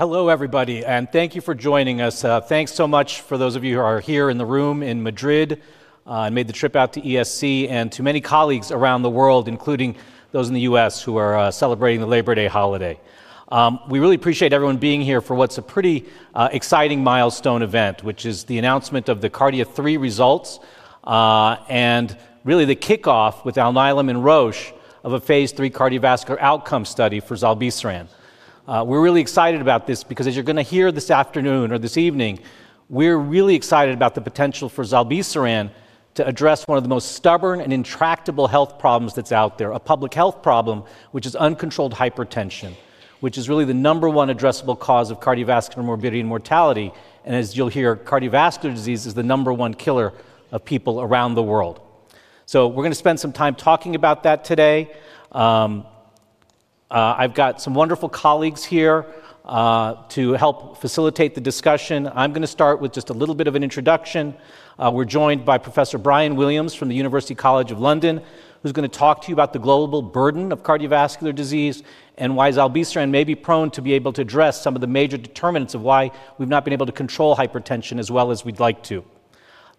Hello everybody, and thank you for joining us. Thanks so much for those of you who are here in the room in Madrid. I made the trip out to ESC and to many colleagues around the world, including those in the U.S. who are celebrating the Labor Day holiday. We really appreciate everyone being here for what's a pretty exciting milestone event, which is the announcement of the CARDIA 3 results, and really the kickoff with Alnylam and Roche of a phase III cardiovascular outcome study for zilebesiran. We're really excited about this because, as you're going to hear this afternoon or this evening, we're really excited about the potential for zilebesiran to address one of the most stubborn and intractable health problems that's out there, a public health problem, which is uncontrolled hypertension, which is really the number one addressable cause of cardiovascular morbidity and mortality. As you'll hear, cardiovascular disease is the number one killer of people around the world. We're going to spend some time talking about that today. I've got some wonderful colleagues here to help facilitate the discussion. I'm going to start with just a little bit of an introduction. We're joined by Professor Bryan Williams from University College London, who's going to talk to you about the global burden of cardiovascular disease and why zilebesiran may be able to address some of the major determinants of why we've not been able to control hypertension as well as we'd like to.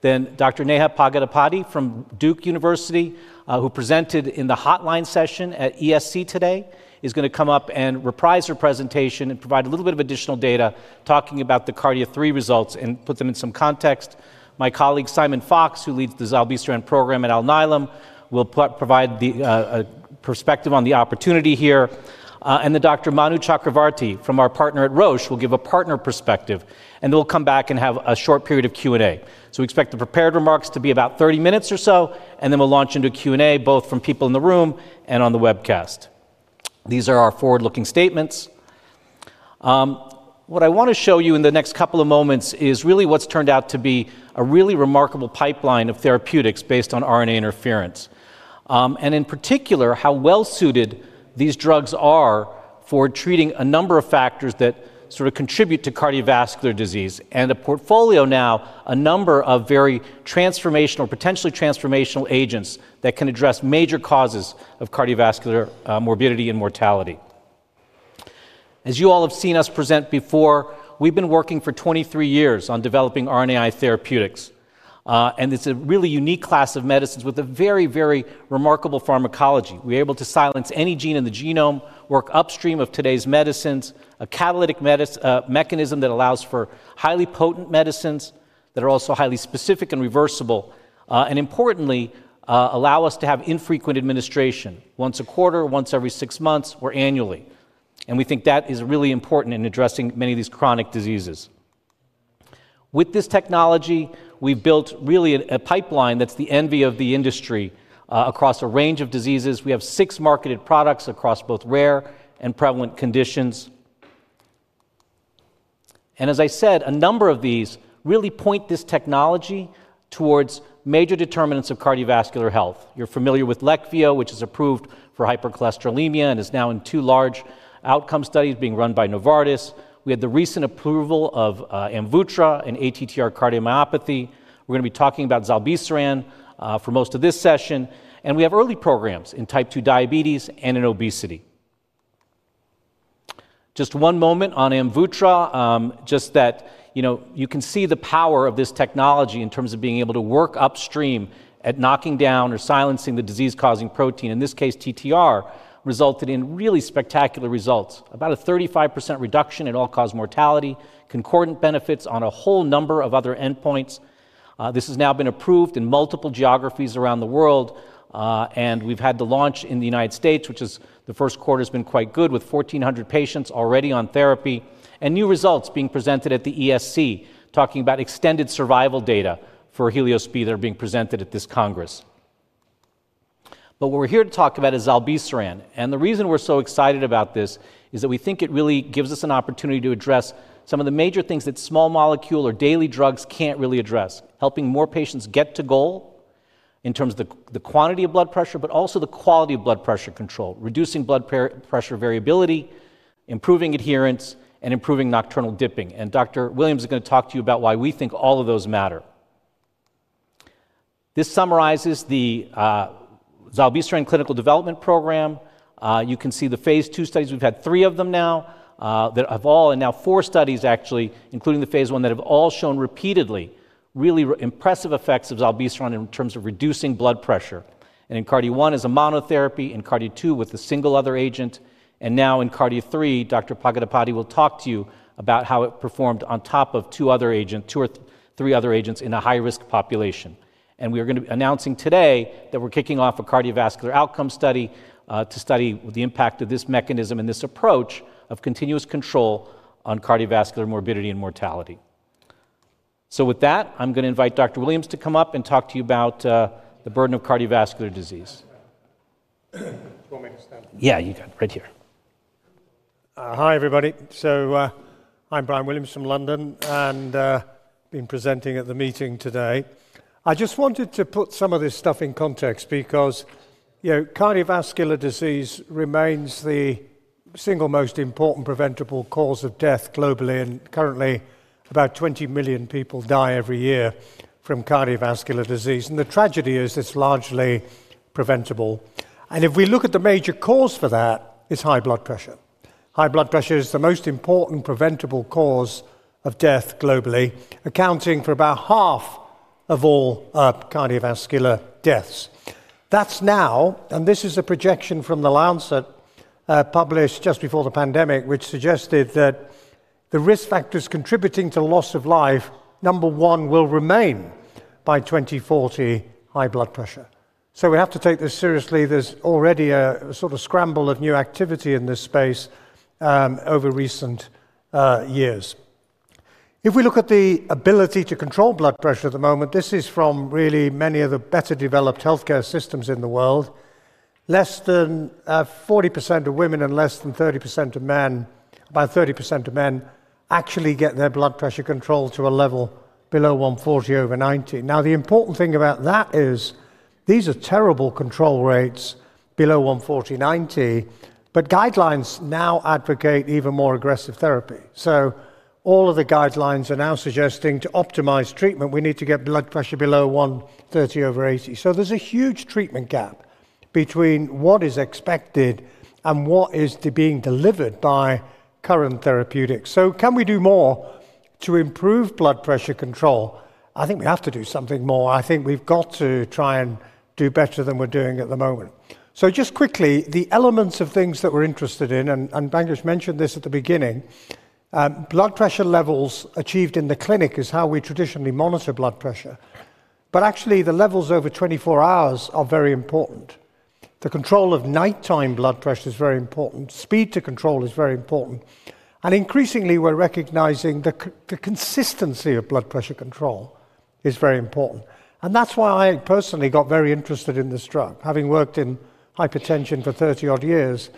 Dr. Neha Pagidipati from Duke University, who presented in the hotline session at ESC today, is going to come up and reprise her presentation and provide a little bit of additional data, talking about the CARDIA 3 results and put them in some context. My colleague Simon Fox, who leads the zilebesiran program at Alnylam, will provide a perspective on the opportunity here. Dr. Manu Chakravarti from our partner at Roche will give a partner perspective. We'll come back and have a short period of Q&A. We expect the prepared remarks to be about 30 minutes or so, and then we'll launch into Q&A, both from people in the room and on the webcast. These are our forward-looking statements. What I want to show you in the next couple of moments is really what's turned out to be a really remarkable pipeline of therapeutics based on RNA interference. In particular, how well-suited these drugs are for treating a number of factors that contribute to cardiovascular disease, and a portfolio now, a number of very transformational, potentially transformational agents that can address major causes of cardiovascular morbidity and mortality. As you all have seen us present before, we've been working for 23 years on developing RNAi therapeutics. It's a really unique class of medicines with a very, very remarkable pharmacology. We're able to silence any gene in the genome, work upstream of today's medicines, a catalytic mechanism that allows for highly potent medicines that are also highly specific and reversible, and importantly, allow us to have infrequent administration, once a quarter, once every six months, or annually. We think that is really important in addressing many of these chronic diseases. With this technology, we've built really a pipeline that's the envy of the industry across a range of diseases. We have six marketed products across both rare and prevalent conditions. As I said, a number of these really point this technology towards major determinants of cardiovascular health. You're familiar with Leqvio, which is approved for hypercholesterolemia and is now in two large outcome studies being run by Novartis. We had the recent approval of AMVUTTRA and ATTR cardiomyopathy. We're going to be talking about zilebesiran for most of this session. We have early programs in type 2 diabetes and in obesity. Just one moment on AMVUTTRA, just that you can see the power of this technology in terms of being able to work upstream at knocking down or silencing the disease-causing protein, in this case, TTR, resulted in really spectacular results, about a 35% reduction in all-cause mortality, concordant benefits on a whole number of other endpoints. This has now been approved in multiple geographies around the world. We've had the launch in the United States, which is the first quarter's been quite good, with 1,400 patients already on therapy, and new results being presented at the ESC, talking about extended survival data for Heliospeed that are being presented at this Congress. What we're here to talk about is zilebesiran. The reason we're so excited about this is that we think it really gives us an opportunity to address some of the major things that small molecule or daily drugs can't really address, helping more patients get to goal in terms of the quantity of blood pressure, but also the quality of blood pressure control, reducing blood pressure variability, improving adherence, and improving nocturnal dipping. Dr. Williams is going to talk to you about why we think all of those matter. This summarizes the zilebesiran clinical development program. You can see the phase II studies. We've had three of them now, and now four studies actually, including the phase I, that have all shown repeatedly really impressive effects of zilebesiran in terms of reducing blood pressure. In CARDIA 1 as a monotherapy, in CARDIA 2 with a single other agent, and now in CARDIA 3, Dr. Pagidipati will talk to you about how it performed on top of two other agents, two or three other agents in a high-risk population. We are going to be announcing today that we're kicking off a cardiovascular outcome study to study the impact of this mechanism and this approach of continuous control on cardiovascular morbidity and mortality. With that, I'm going to invite Dr. Williams to come up and talk to you about the burden of cardiovascular disease. Yeah, you got it right here. Hi, everybody. I'm Bryan Williams from London, and I've been presenting at the meeting today. I just wanted to put some of this stuff in context because cardiovascular disease remains the single most important preventable cause of death globally. Currently, about 20 million people die every year from cardiovascular disease. The tragedy is it's largely preventable. If we look at the major cause for that, it's high blood pressure. High blood pressure is the most important preventable cause of death globally, accounting for about half of all cardiovascular deaths. That's now, and this is a projection from The Lancet, published just before the pandemic, which suggested that the risk factors contributing to loss of life, number one, will remain by 2040, high blood pressure. We have to take this seriously. There's already a sort of scramble of new activity in this space over recent years. If we look at the ability to control blood pressure at the moment, this is from really many of the better developed health care systems in the world. Less than 40% of women and less than 30% of men, about 30% of men, actually get their blood pressure controlled to a level below 140 over 90. The important thing about that is these are terrible control rates below 140/90. Guidelines now advocate even more aggressive therapy. All of the guidelines are now suggesting to optimize treatment, we need to get blood pressure below 130 over 80. There's a huge treatment gap between what is expected and what is being delivered by current therapeutics. Can we do more to improve blood pressure control? I think we have to do something more. I think we've got to try and do better than we're doing at the moment. Just quickly, the elements of things that we're interested in, and Bangesh mentioned this at the beginning, blood pressure levels achieved in the clinic is how we traditionally monitor blood pressure. Actually, the levels over 24 hours are very important. The control of nighttime blood pressure is very important. Speed to control is very important. Increasingly, we're recognizing the consistency of blood pressure control is very important. That's why I personally got very interested in this drug, having worked in hypertension for 30-odd years.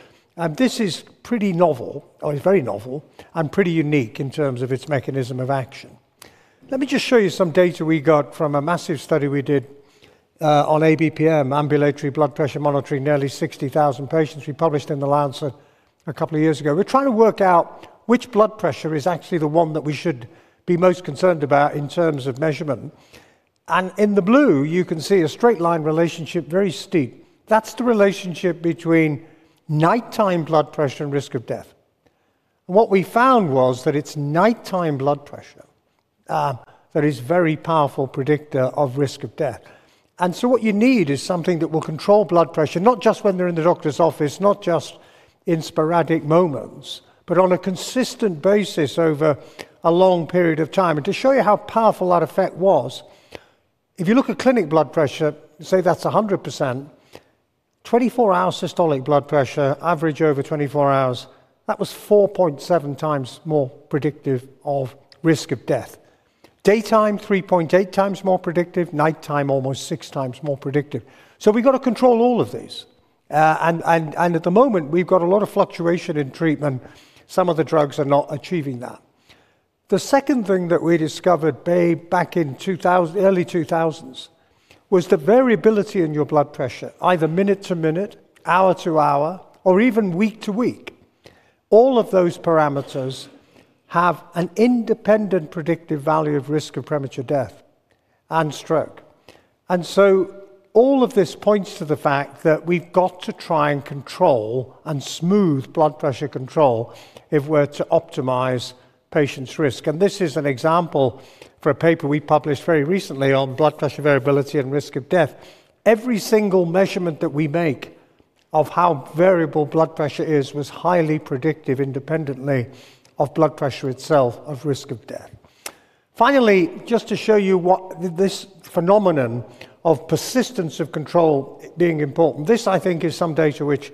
This is pretty novel, or it's very novel, and pretty unique in terms of its mechanism of action. Let me just show you some data we got from a massive study we did on ABPM, Ambulatory Blood Pressure Monitoring, nearly 60,000 patients. We published in The Lancet a couple of years ago. We're trying to work out which blood pressure is actually the one that we should be most concerned about in terms of measurement. In the blue, you can see a straight line relationship, very steep. That's the relationship between nighttime blood pressure and risk of death. What we found was that it's nighttime blood pressure that is a very powerful predictor of risk of death. What you need is something that will control blood pressure, not just when they're in the doctor's office, not just in sporadic moments, but on a consistent basis over a long period of time. To show you how powerful that effect was, if you look at clinic blood pressure, say that's 100%, 24-hour systolic blood pressure, average over 24 hours, that was 4.7x more predictive of risk of death. Daytime, 3.8x more predictive, nighttime, almost 6x more predictive. We've got to control all of these. At the moment, we've got a lot of fluctuation in treatment. Some of the drugs are not achieving that. The second thing that we discovered back in the early 2000s was the variability in your blood pressure, either minute to minute, hour to hour, or even week to week. All of those parameters have an independent predictive value of risk of premature death and stroke. All of this points to the fact that we've got to try and control and smooth blood pressure control if we're to optimize patients' risk. This is an example for a paper we published very recently on blood pressure variability and risk of death. Every single measurement that we make of how variable blood pressure is was highly predictive independently of blood pressure itself, of risk of death. Finally, just to show you this phenomenon of persistence of control being important, this, I think, is some data which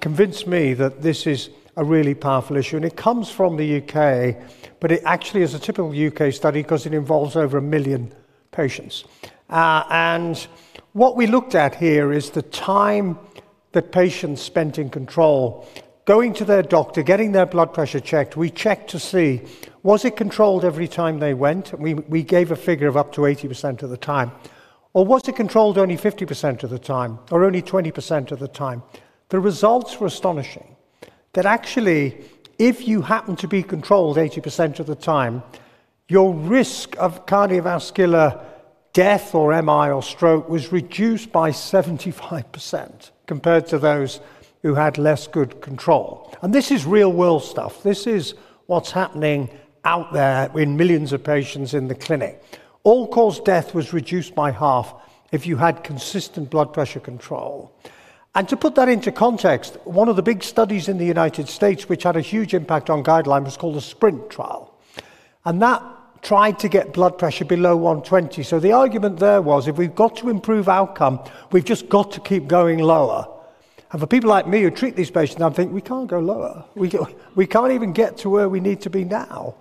convinced me that this is a really powerful issue. It comes from the U.K., but it actually is a typical U.K. study because it involves over a million patients. What we looked at here is the time that patients spent in control, going to their doctor, getting their blood pressure checked. We checked to see, was it controlled every time they went? We gave a figure of up to 80% of the time. Or was it controlled only 50% of the time, or only 20% of the time? The results were astonishing, that actually, if you happen to be controlled 80% of the time, your risk of cardiovascular death or MI or stroke was reduced by 75% compared to those who had less good control. This is real-world stuff. This is what's happening out there in millions of patients in the clinic. All-cause death was reduced by half if you had consistent blood pressure control. To put that into context, one of the big studies in the United States, which had a huge impact on guideline, was called the SPRINT trial. That tried to get blood pressure below 120. The argument there was, if we've got to improve outcome, we've just got to keep going lower. For people like me who treat these patients, I think we can't go lower. We can't even get to where we need to be now.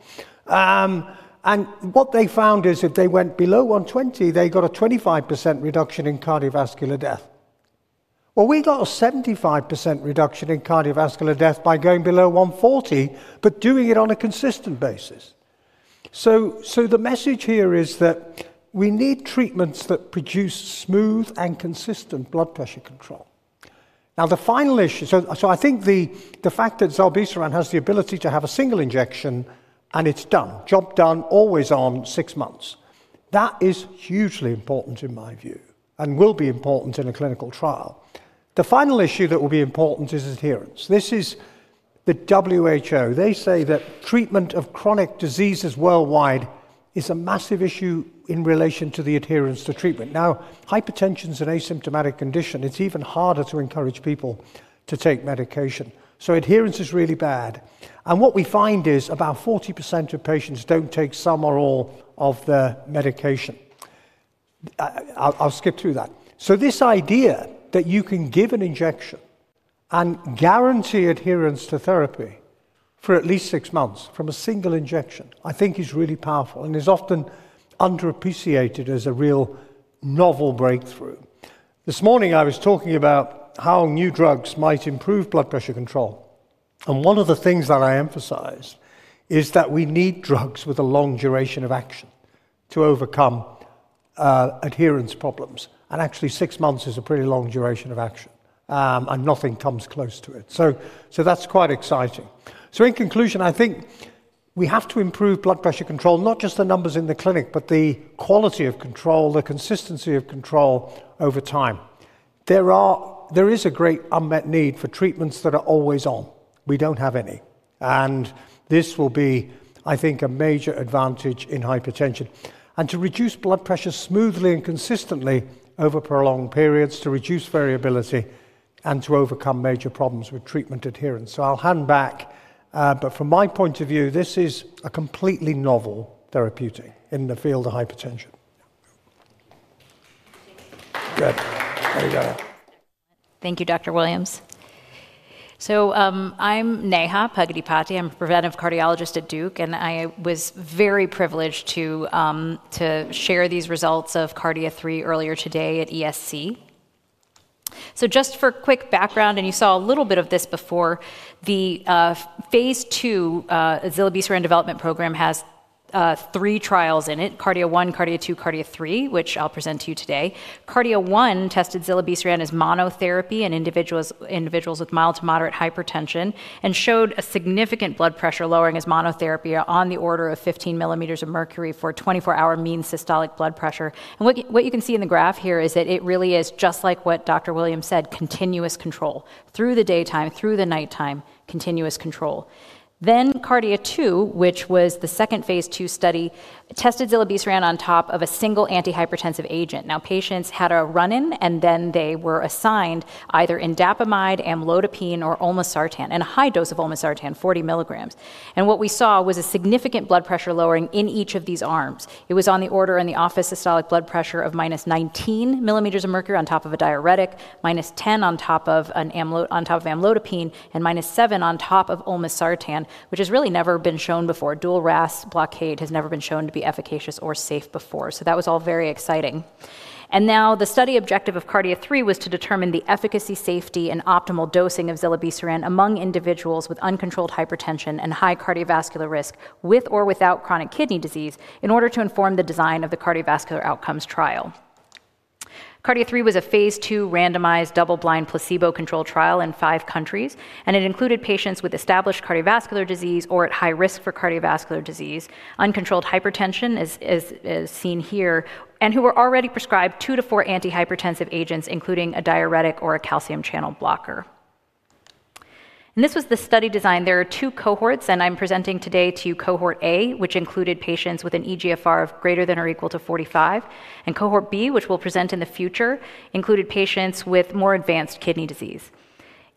What they found is if they went below 120, they got a 25% reduction in cardiovascular death. We got a 75% reduction in cardiovascular death by going below 140, but doing it on a consistent basis. The message here is that we need treatments that produce smooth and consistent blood pressure control. Now, the final issue, so I think the fact that zilebesiran has the ability to have a single injection and it's done, job done, always on six months, that is hugely important in my view and will be important in a clinical trial. The final issue that will be important is adherence. This is the WHO. They say that treatment of chronic diseases worldwide is a massive issue in relation to the adherence to treatment. Now, hypertension is an asymptomatic condition. It's even harder to encourage people to take medication. Adherence is really bad. What we find is about 40% of patients don't take some or all of the medication. I'll skip through that. This idea that you can give an injection and guarantee adherence to therapy for at least six months from a single injection, I think is really powerful and is often underappreciated as a real novel breakthrough. This morning, I was talking about how new drugs might improve blood pressure control. One of the things that I emphasize is that we need drugs with a long duration of action to overcome adherence problems. Actually, six months is a pretty long duration of action, and nothing comes close to it. That's quite exciting. In conclusion, I think we have to improve blood pressure control, not just the numbers in the clinic, but the quality of control, the consistency of control over time. There is a great unmet need for treatments that are always on. We don't have any. This will be, I think, a major advantage in hypertension. To reduce blood pressure smoothly and consistently over prolonged periods, to reduce variability, and to overcome major problems with treatment adherence, I'll hand back. From my point of view, this is a completely novel therapeutic in the field of hypertension. Thank you, Dr. Williams. I'm Neha Pagidipati. I'm a Preventive Cardiologist at Duke. I was very privileged to share these results of CARDIA 3 earlier today at ESC. Just for quick background, and you saw a little bit of this before, the phase II zilebesiran development program has three trials in it: CARDIA 1, CARDIA 2, CARDIA 3, which I'll present to you today. CARDIA 1 tested zilebesiran as monotherapy in individuals with mild to moderate hypertension and showed a significant blood pressure lowering as monotherapy on the order of 15 mm of mercury for 24-hour mean systolic blood pressure. What you can see in the graph here is that it really is just like what Dr. Williams said, continuous control through the daytime, through the nighttime, continuous control. CARDIA 2, which was the second phase II study, tested zilebesiran on top of a single antihypertensive agent. Patients had a run-in, and then they were assigned either indapamide, amlodipine, or olmesartan, and a high dose of olmesartan, 40 mg. What we saw was a significant blood pressure lowering in each of these arms. It was on the order in the office systolic blood pressure of minus 19mm of mercury on top of a diuretic, -10 on top of amlodipine, and -7 on top of olmesartan, which has really never been shown before. Dual RAS blockade has never been shown to be efficacious or safe before. That was all very exciting. The study objective of CARDIA 3 was to determine the efficacy, safety, and optimal dosing of zilebesiran among individuals with uncontrolled hypertension and high cardiovascular risk, with or without chronic kidney disease, in order to inform the design of the cardiovascular outcomes trial. CARDIA 3 was a phase II randomized double-blind placebo-controlled trial in five countries. It included patients with established cardiovascular disease or at high risk for cardiovascular disease, uncontrolled hypertension, as seen here, and who were already prescribed two to four antihypertensive agents, including a diuretic or a calcium channel blocker. This was the study design. There are two cohorts. I'm presenting today to Cohort A, which included patients with an eGFR of greater than or equal to 45. Cohort B, which we'll present in the future, included patients with more advanced kidney disease.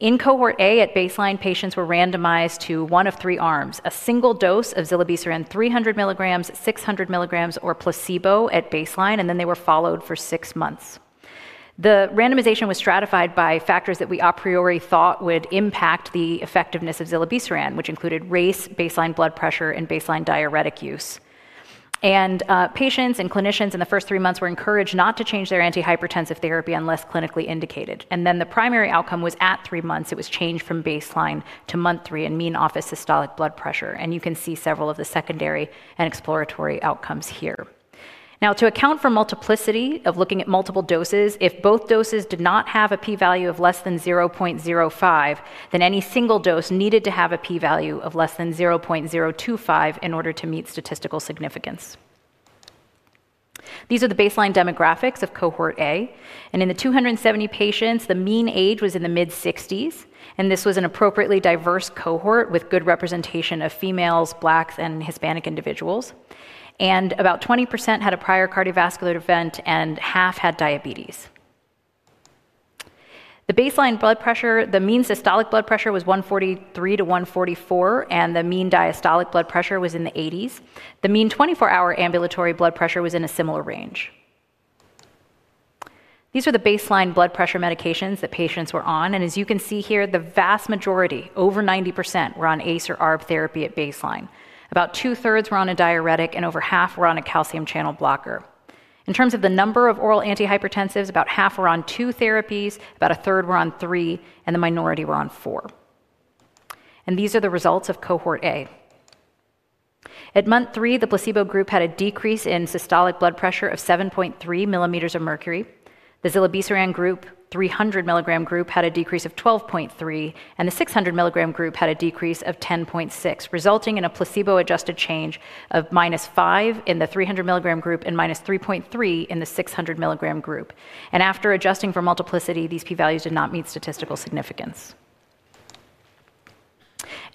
In Cohort A, at baseline, patients were randomized to one of three arms, a single dose of zilebesiran, 300 mg, 600 mg, or placebo at baseline. They were followed for six months. The randomization was stratified by factors that we a priori thought would impact the effectiveness of zilebesiran, which included race, baseline blood pressure, and baseline diuretic use. Patients and clinicians in the first three months were encouraged not to change their antihypertensive therapy unless clinically indicated. The primary outcome was at three months; it was change from baseline to month three in mean office systolic blood pressure. You can see several of the secondary and exploratory outcomes here. To account for multiplicity of looking at multiple doses, if both doses did not have a p-value of less than 0.05, then any single dose needed to have a p-value of less than 0.025 in order to meet statistical significance. These are the baseline demographics of Cohort A. In the 270 patients, the mean age was in the mid-60s. This was an appropriately diverse cohort with good representation of females, Blacks, and Hispanic individuals. About 20% had a prior cardiovascular event, and half had diabetes. The baseline blood pressure, the mean systolic blood pressure was 143-144, and the mean diastolic blood pressure was in the 80s. The mean 24-hour ambulatory blood pressure was in a similar range. These are the baseline blood pressure medications that patients were on. As you can see here, the vast majority, over 90%, were on ACE or ARB therapy at baseline. About 2/3 were on a diuretic, and over half were on a calcium channel blocker. In terms of the number of oral antihypertensives, about half were on two therapies, about a 1/3 were on three, and the minority were on four. These are the results of Cohort A. At month three, the placebo group had a decrease in systolic blood pressure of 7.3 mm of mercury. The zilebesiran 300 mg group had a decrease of 12.3 mg, and the 600 mg group had a decrease of 10.6 mg, resulting in a placebo-adjusted change of -5 in the 300 mg group and -3.3 in the 600 mg group. After adjusting for multiplicity, these p-values did not meet statistical significance.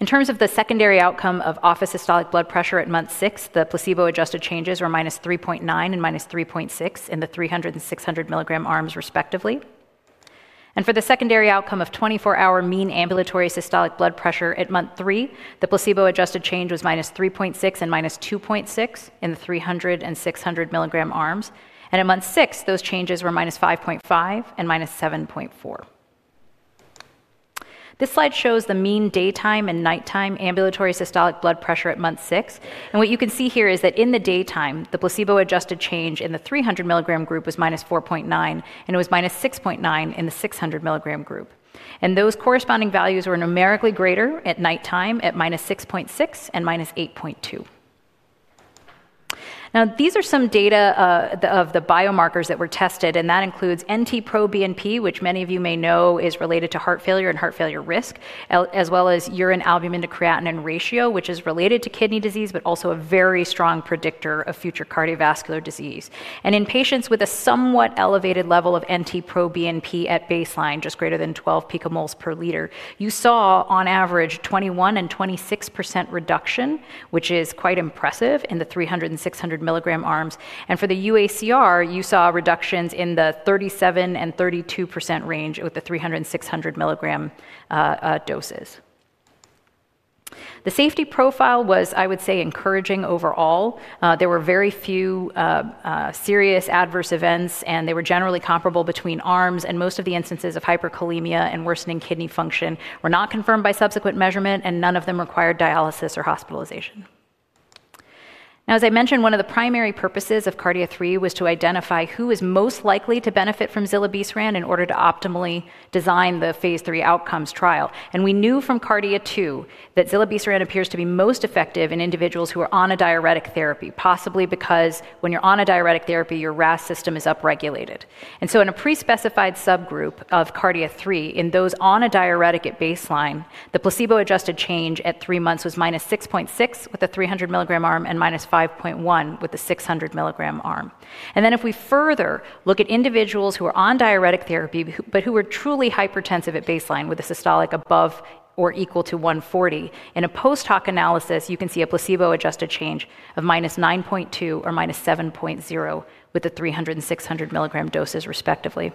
In terms of the secondary outcome of office systolic blood pressure at month six, the placebo-adjusted changes were -3.9 and -3.6 in the 300 mg and 600 mg arms, respectively. For the secondary outcome of 24-hour mean ambulatory systolic blood pressure at month three, the placebo-adjusted change was -3.6 and -2.6 in the 300 mg and 600 mg arms. At month six, those changes were -5.5 and -7.4. This slide shows the mean daytime and nighttime ambulatory systolic blood pressure at month six. What you can see here is that in the daytime, the placebo-adjusted change in the 300 mg group was -4.9, and it was -6.9 in the 600 mg group. Those corresponding values were numerically greater at nighttime at -6.6 and -8.2. These are some data of the biomarkers that were tested. That includes NT-proBNP, which many of you may know is related to heart failure and heart failure risk, as well as urine albumin-to-creatinine ratio, which is related to kidney disease, but also a very strong predictor of future cardiovascular disease. In patients with a somewhat elevated level of NT-proBNP at baseline, just greater than 12 pmol/L, you saw on average 21% and 26% reduction, which is quite impressive in the 300 mg and 600 mg arms. For the UACR, you saw reductions in the 37% and 32% range with the 300 mg and 600 mg doses. The safety profile was, I would say, encouraging overall. There were very few serious adverse events, and they were generally comparable between arms. Most of the instances of hyperkalemia and worsening kidney function were not confirmed by subsequent measurement, and none of them required dialysis or hospitalization. As I mentioned, one of the primary purposes of CARDIA 3 was to identify who is most likely to benefit from zilebesiran in order to optimally design the phase III outcomes trial. We knew from CARDIA 2 that zilebesiran appears to be most effective in individuals who are on a diuretic therapy, possibly because when you're on a diuretic therapy, your RAS system is up-regulated. In a pre-specified subgroup of CARDIA 3, in those on a diuretic at baseline, the placebo-adjusted change at three months was -6.6 with the 300 mg arm and -5.1 with the 600 mg arm. If we further look at individuals who are on diuretic therapy, but who are truly hypertensive at baseline with a systolic above or equal to 140 mg, in a post-hoc analysis, you can see a placebo-adjusted change of -9.2 or -7.0 with the 300 mg and 600 mg doses, respectively.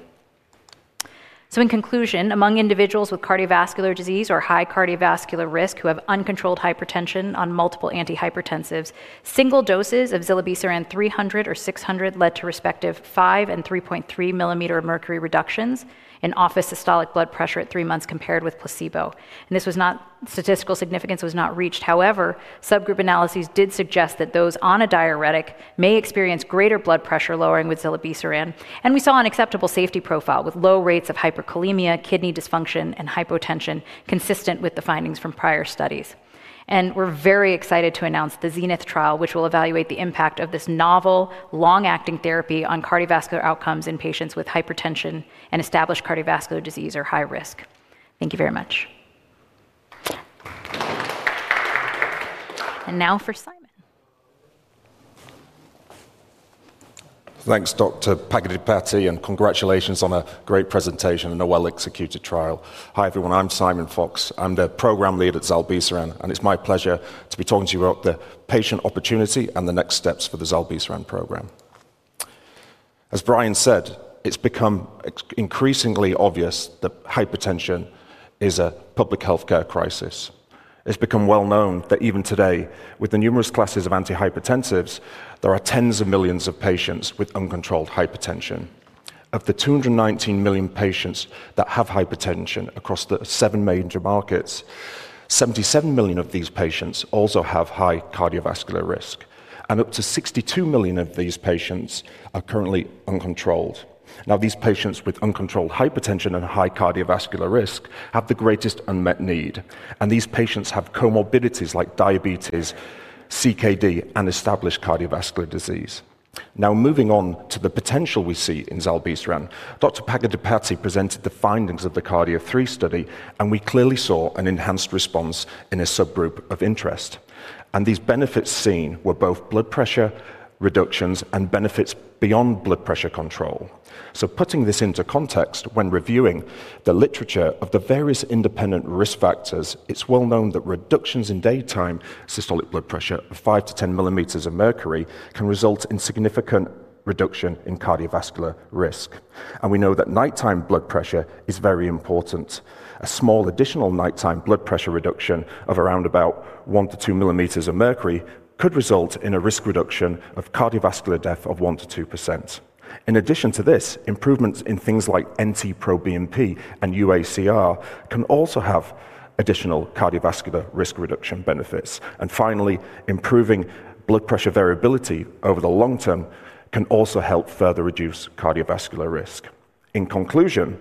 In conclusion, among individuals with cardiovascular disease or high cardiovascular risk who have uncontrolled hypertension on multiple antihypertensives, single doses of zilebesiran 300 mg or 600 mg led to respective 5 mm and 3.3 mm of mercury reductions in office systolic blood pressure at three months compared with placebo. Statistical significance was not reached. However, subgroup analyses did suggest that those on a diuretic may experience greater blood pressure lowering with zilebesiran. We saw an acceptable safety profile with low rates of hyperkalemia, kidney dysfunction, and hypotension, consistent with the findings from prior studies. We are very excited to announce the ZENITH trial, which will evaluate the impact of this novel, long-acting therapy on cardiovascular outcomes in patients with hypertension and established cardiovascular disease or high risk. Thank you very much. Now for Simon. Thanks, Dr. Pagidipati, and congratulations on a great presentation and a well-executed trial. Hi, everyone. I'm Simon Fox. I'm the Program Lead at zilebesiran, and it's my pleasure to be talking to you about the patient opportunity and the next steps for the zilebesiran program. As Bryan said, it's become increasingly obvious that hypertension is a public health care crisis. It's become well known that even today, with the numerous classes of antihypertensive agents, there are tens of millions of patients with uncontrolled hypertension. Of the 219 million patients that have hypertension across the seven major markets, 77 million of these patients also have high cardiovascular risk, and up to 62 million of these patients are currently uncontrolled. These patients with uncontrolled hypertension and high cardiovascular risk have the greatest unmet need. These patients have comorbidities like diabetes, CKD, and established cardiovascular disease. Now, moving on to the potential we see in zilebesiran, Dr. Pagidipati presented the findings of the CARDIA 3 study, and we clearly saw an enhanced response in a subgroup of interest. These benefits seen were both blood pressure reductions and benefits beyond blood pressure control. Putting this into context, when reviewing the literature of the various independent risk factors, it's well known that reductions in daytime systolic blood pressure of 5 mm-10mm of mercury can result in significant reduction in cardiovascular risk. We know that nighttime blood pressure is very important. A small additional nighttime blood pressure reduction of around about 1 mm-2mm of mercury could result in a risk reduction of cardiovascular death of 1%-2%. In addition to this, improvements in things like NT-proBNP and UACR can also have additional cardiovascular risk reduction benefits. Finally, improving blood pressure variability over the long term can also help further reduce cardiovascular risk. In conclusion,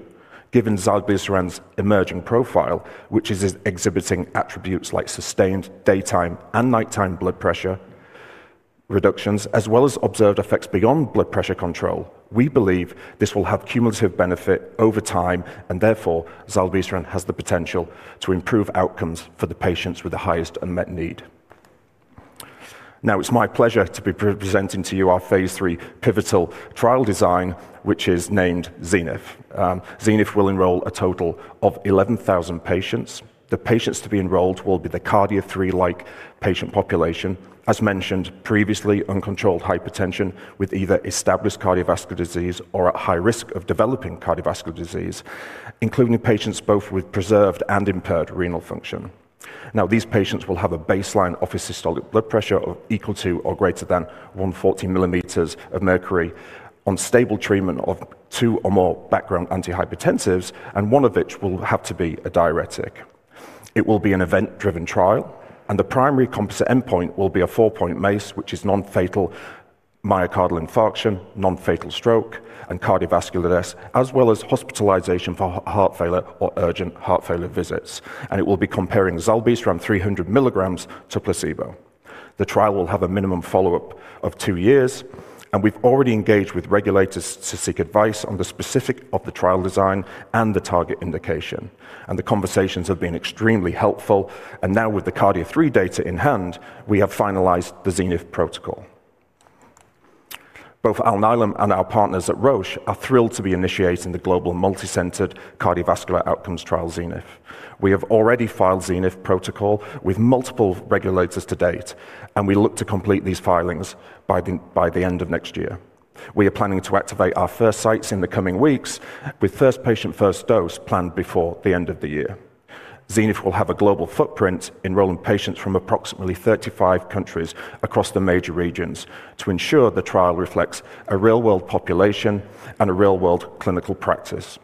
given zilebesiran's emerging profile, which is exhibiting attributes like sustained daytime and nighttime blood pressure reductions, as well as observed effects beyond blood pressure control, we believe this will have cumulative benefit over time. Therefore, zilebesiran has the potential to improve outcomes for the patients with the highest unmet need. Now, it's my pleasure to be presenting to you our phase III pivotal trial design, which is named ZENITH. ZENITH will enroll a total of 11,000 patients. The patients to be enrolled will be the CARDIA 3-like patient population. As mentioned previously, uncontrolled hypertension with either established cardiovascular disease or at high risk of developing cardiovascular disease, including patients both with preserved and impaired renal function. These patients will have a baseline office systolic blood pressure of equal to or greater than 140 mm of mercury on stable treatment of two or more background antihypertensive agents, and one of which will have to be a diuretic. It will be an event-driven trial. The primary composite endpoint will be a four-point MACE, which is non-fatal myocardial infarction, non-fatal stroke, cardiovascular death, as well as hospitalization for heart failure or urgent heart failure visits. It will be comparing zilebesiran 300 mg to placebo. The trial will have a minimum follow-up of two years. We've already engaged with regulators to seek advice on the specifics of the trial design and the target indication. The conversations have been extremely helpful. Now, with the CARDIA 3 data in hand, we have finalized the ZENITH protocol. Both Alnylam and our partners at Roche are thrilled to be initiating the global multicentered cardiovascular outcomes trial, ZENITH. We have already filed the ZENITH protocol with multiple regulators to date. We look to complete these filings by the end of next year. We are planning to activate our first sites in the coming weeks, with first patient first dose planned before the end of the year. ZENITH will have a global footprint, enrolling patients from approximately 35 countries across the major regions to ensure the trial reflects a real-world population and a real-world clinical practice.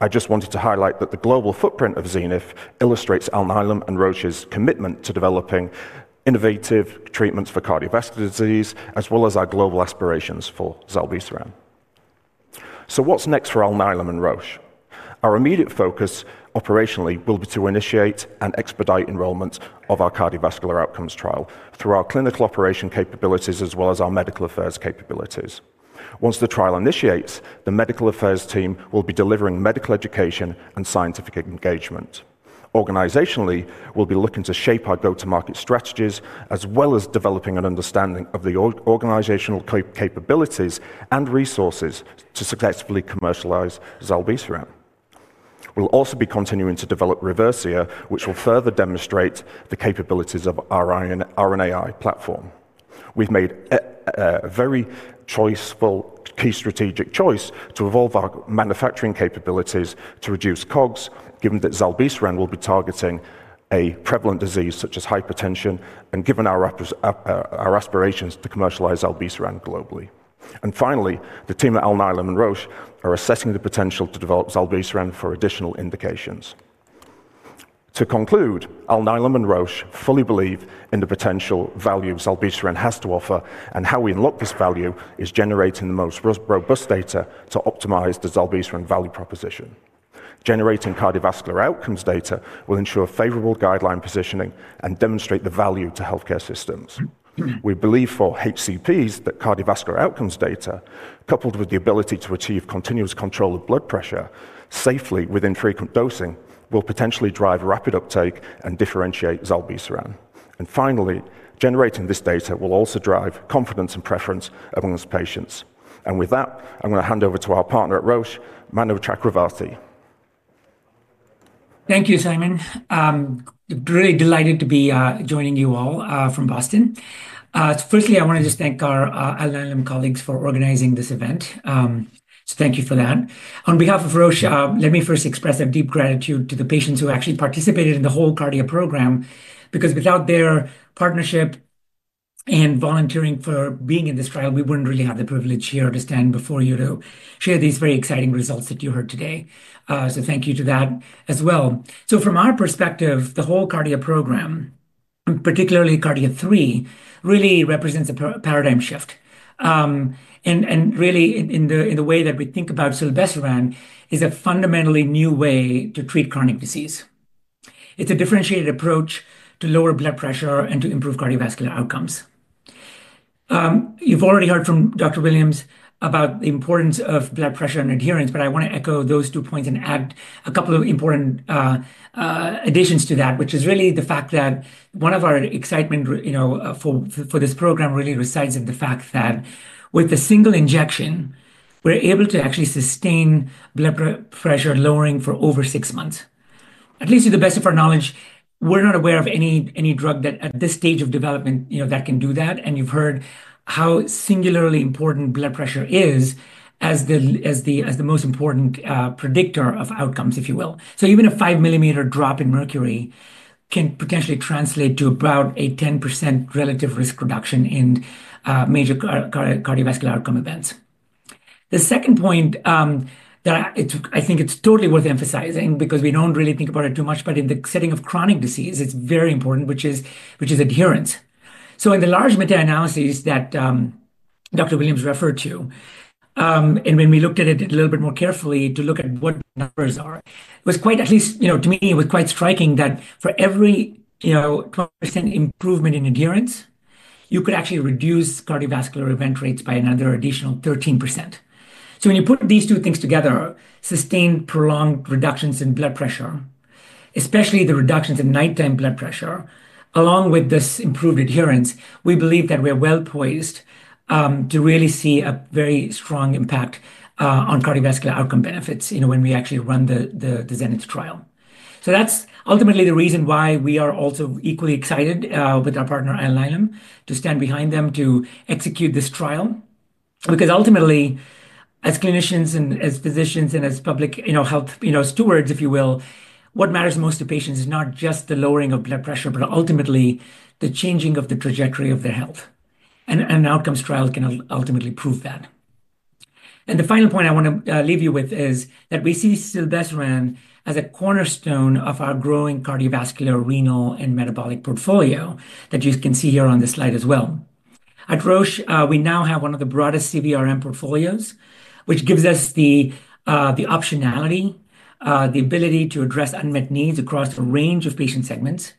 I just wanted to highlight that the global footprint of ZENITH illustrates Alnylam Pharmaceuticals and Roche's commitment to developing innovative treatments for cardiovascular disease, as well as our global aspirations for zilebesiran. What's next for Alnylam and Roche? Our immediate focus operationally will be to initiate and expedite enrollment of our cardiovascular outcomes trial through our clinical operation capabilities, as well as our medical affairs capabilities. Once the trial initiates, the medical affairs team will be delivering medical education and scientific engagement. Organizationally, we'll be looking to shape our go-to-market strategies, as well as developing an understanding of the organizational capabilities and resources to successfully commercialize zilebesiran. We'll also be continuing to develop Reversia, which will further demonstrate the capabilities of our RNAi platform. We've made a very choiceful, key strategic choice to evolve our manufacturing capabilities to reduce COGS, given that zilebesiran will be targeting a prevalent disease such as hypertension, and given our aspirations to commercialize zilebesiran globally. Finally, the team at Alnylam and Roche are assessing the potential to develop zilebesiran for additional indications. To conclude, Alnylam and Roche fully believe in the potential value zilebesiran has to offer. How we unlock this value is generating the most robust data to optimize the zilebesiran value proposition. Generating cardiovascular outcomes data will ensure favorable guideline positioning and demonstrate the value to health care systems. We believe for HCPs that cardiovascular outcomes data, coupled with the ability to achieve continuous control of blood pressure safely with infrequent dosing, will potentially drive rapid uptake and differentiate zilebesiran. Generating this data will also drive confidence and preference amongst patients. With that, I'm going to hand over to our partner at Roche, Manu Chakravarthy. Thank you, Simon. I'm very delighted to be joining you all from Boston. Firstly, I want to just thank our Alnylam colleagues for organizing this event. Thank you for that. On behalf of Roche, let me first express a deep gratitude to the patients who actually participated in the whole CARDIA program, because without their partnership and volunteering for being in this trial, we wouldn't really have the privilege here to stand before you to share these very exciting results that you heard today. Thank you to that as well. From our perspective, the whole CARDIA program, and particularly CARDIA 3, really represents a paradigm shift. In the way that we think about zilebesiran, it is a fundamentally new way to treat chronic disease. It's a differentiated approach to lower blood pressure and to improve cardiovascular outcomes. You've already heard from Dr. Williams about the importance of blood pressure and adherence. I want to echo those two points and add a couple of important additions to that, which is really the fact that one of our excitement for this program really resides in the fact that with a single injection, we're able to actually sustain blood pressure lowering for over six months. At least to the best of our knowledge, we're not aware of any drug at this stage of development that can do that. You've heard how singularly important blood pressure is as the most important predictor of outcomes, if you will. Even a 5 mm drop in mercury can potentially translate to about a 10% relative risk reduction in major cardiovascular outcome events. The second point that I think is totally worth emphasizing, because we don't really think about it too much, but in the setting of chronic disease, it's very important, which is adherence. In the large meta-analyses that Dr. Williams referred to, and when we looked at it a little bit more carefully to look at what numbers are, it was quite, at least to me, it was quite striking that for every 12% improvement in adherence, you could actually reduce cardiovascular event rates by another additional 13%. When you put these two things together, sustained prolonged reductions in blood pressure, especially the reductions in nighttime blood pressure, along with this improved adherence, we believe that we are well poised to really see a very strong impact on cardiovascular outcome benefits when we actually run the ZENITH trial. That's ultimately the reason why we are also equally excited with our partner Alnylam to stand behind them to execute this trial, because ultimately, as clinicians and as physicians and as public health stewards, if you will, what matters most to patients is not just the lowering of blood pressure, but ultimately the changing of the trajectory of their health. An outcomes trial can ultimately prove that. The final point I want to leave you with is that we see zilebesiran as a cornerstone of our growing cardiovascular, renal, and metabolic portfolio that you can see here on this slide as well. At Roche, we now have one of the broadest CVRM portfolios, which gives us the optionality, the ability to address unmet needs across a range of patient segments,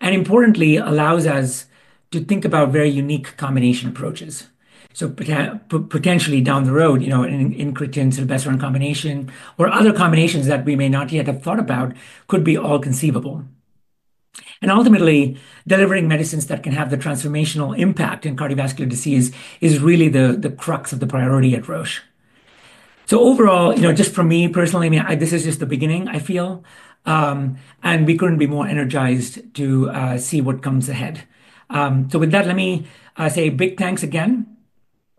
and importantly, allows us to think about very unique combination approaches. Potentially down the road, in inclusions, zilebesiran combination, or other combinations that we may not yet have thought about could be all conceivable. Ultimately, delivering medicines that can have the transformational impact in cardiovascular disease is really the crux of the priority at Roche. Overall, just for me personally, this is just the beginning, I feel. We couldn't be more energized to see what comes ahead. With that, let me say a big thanks again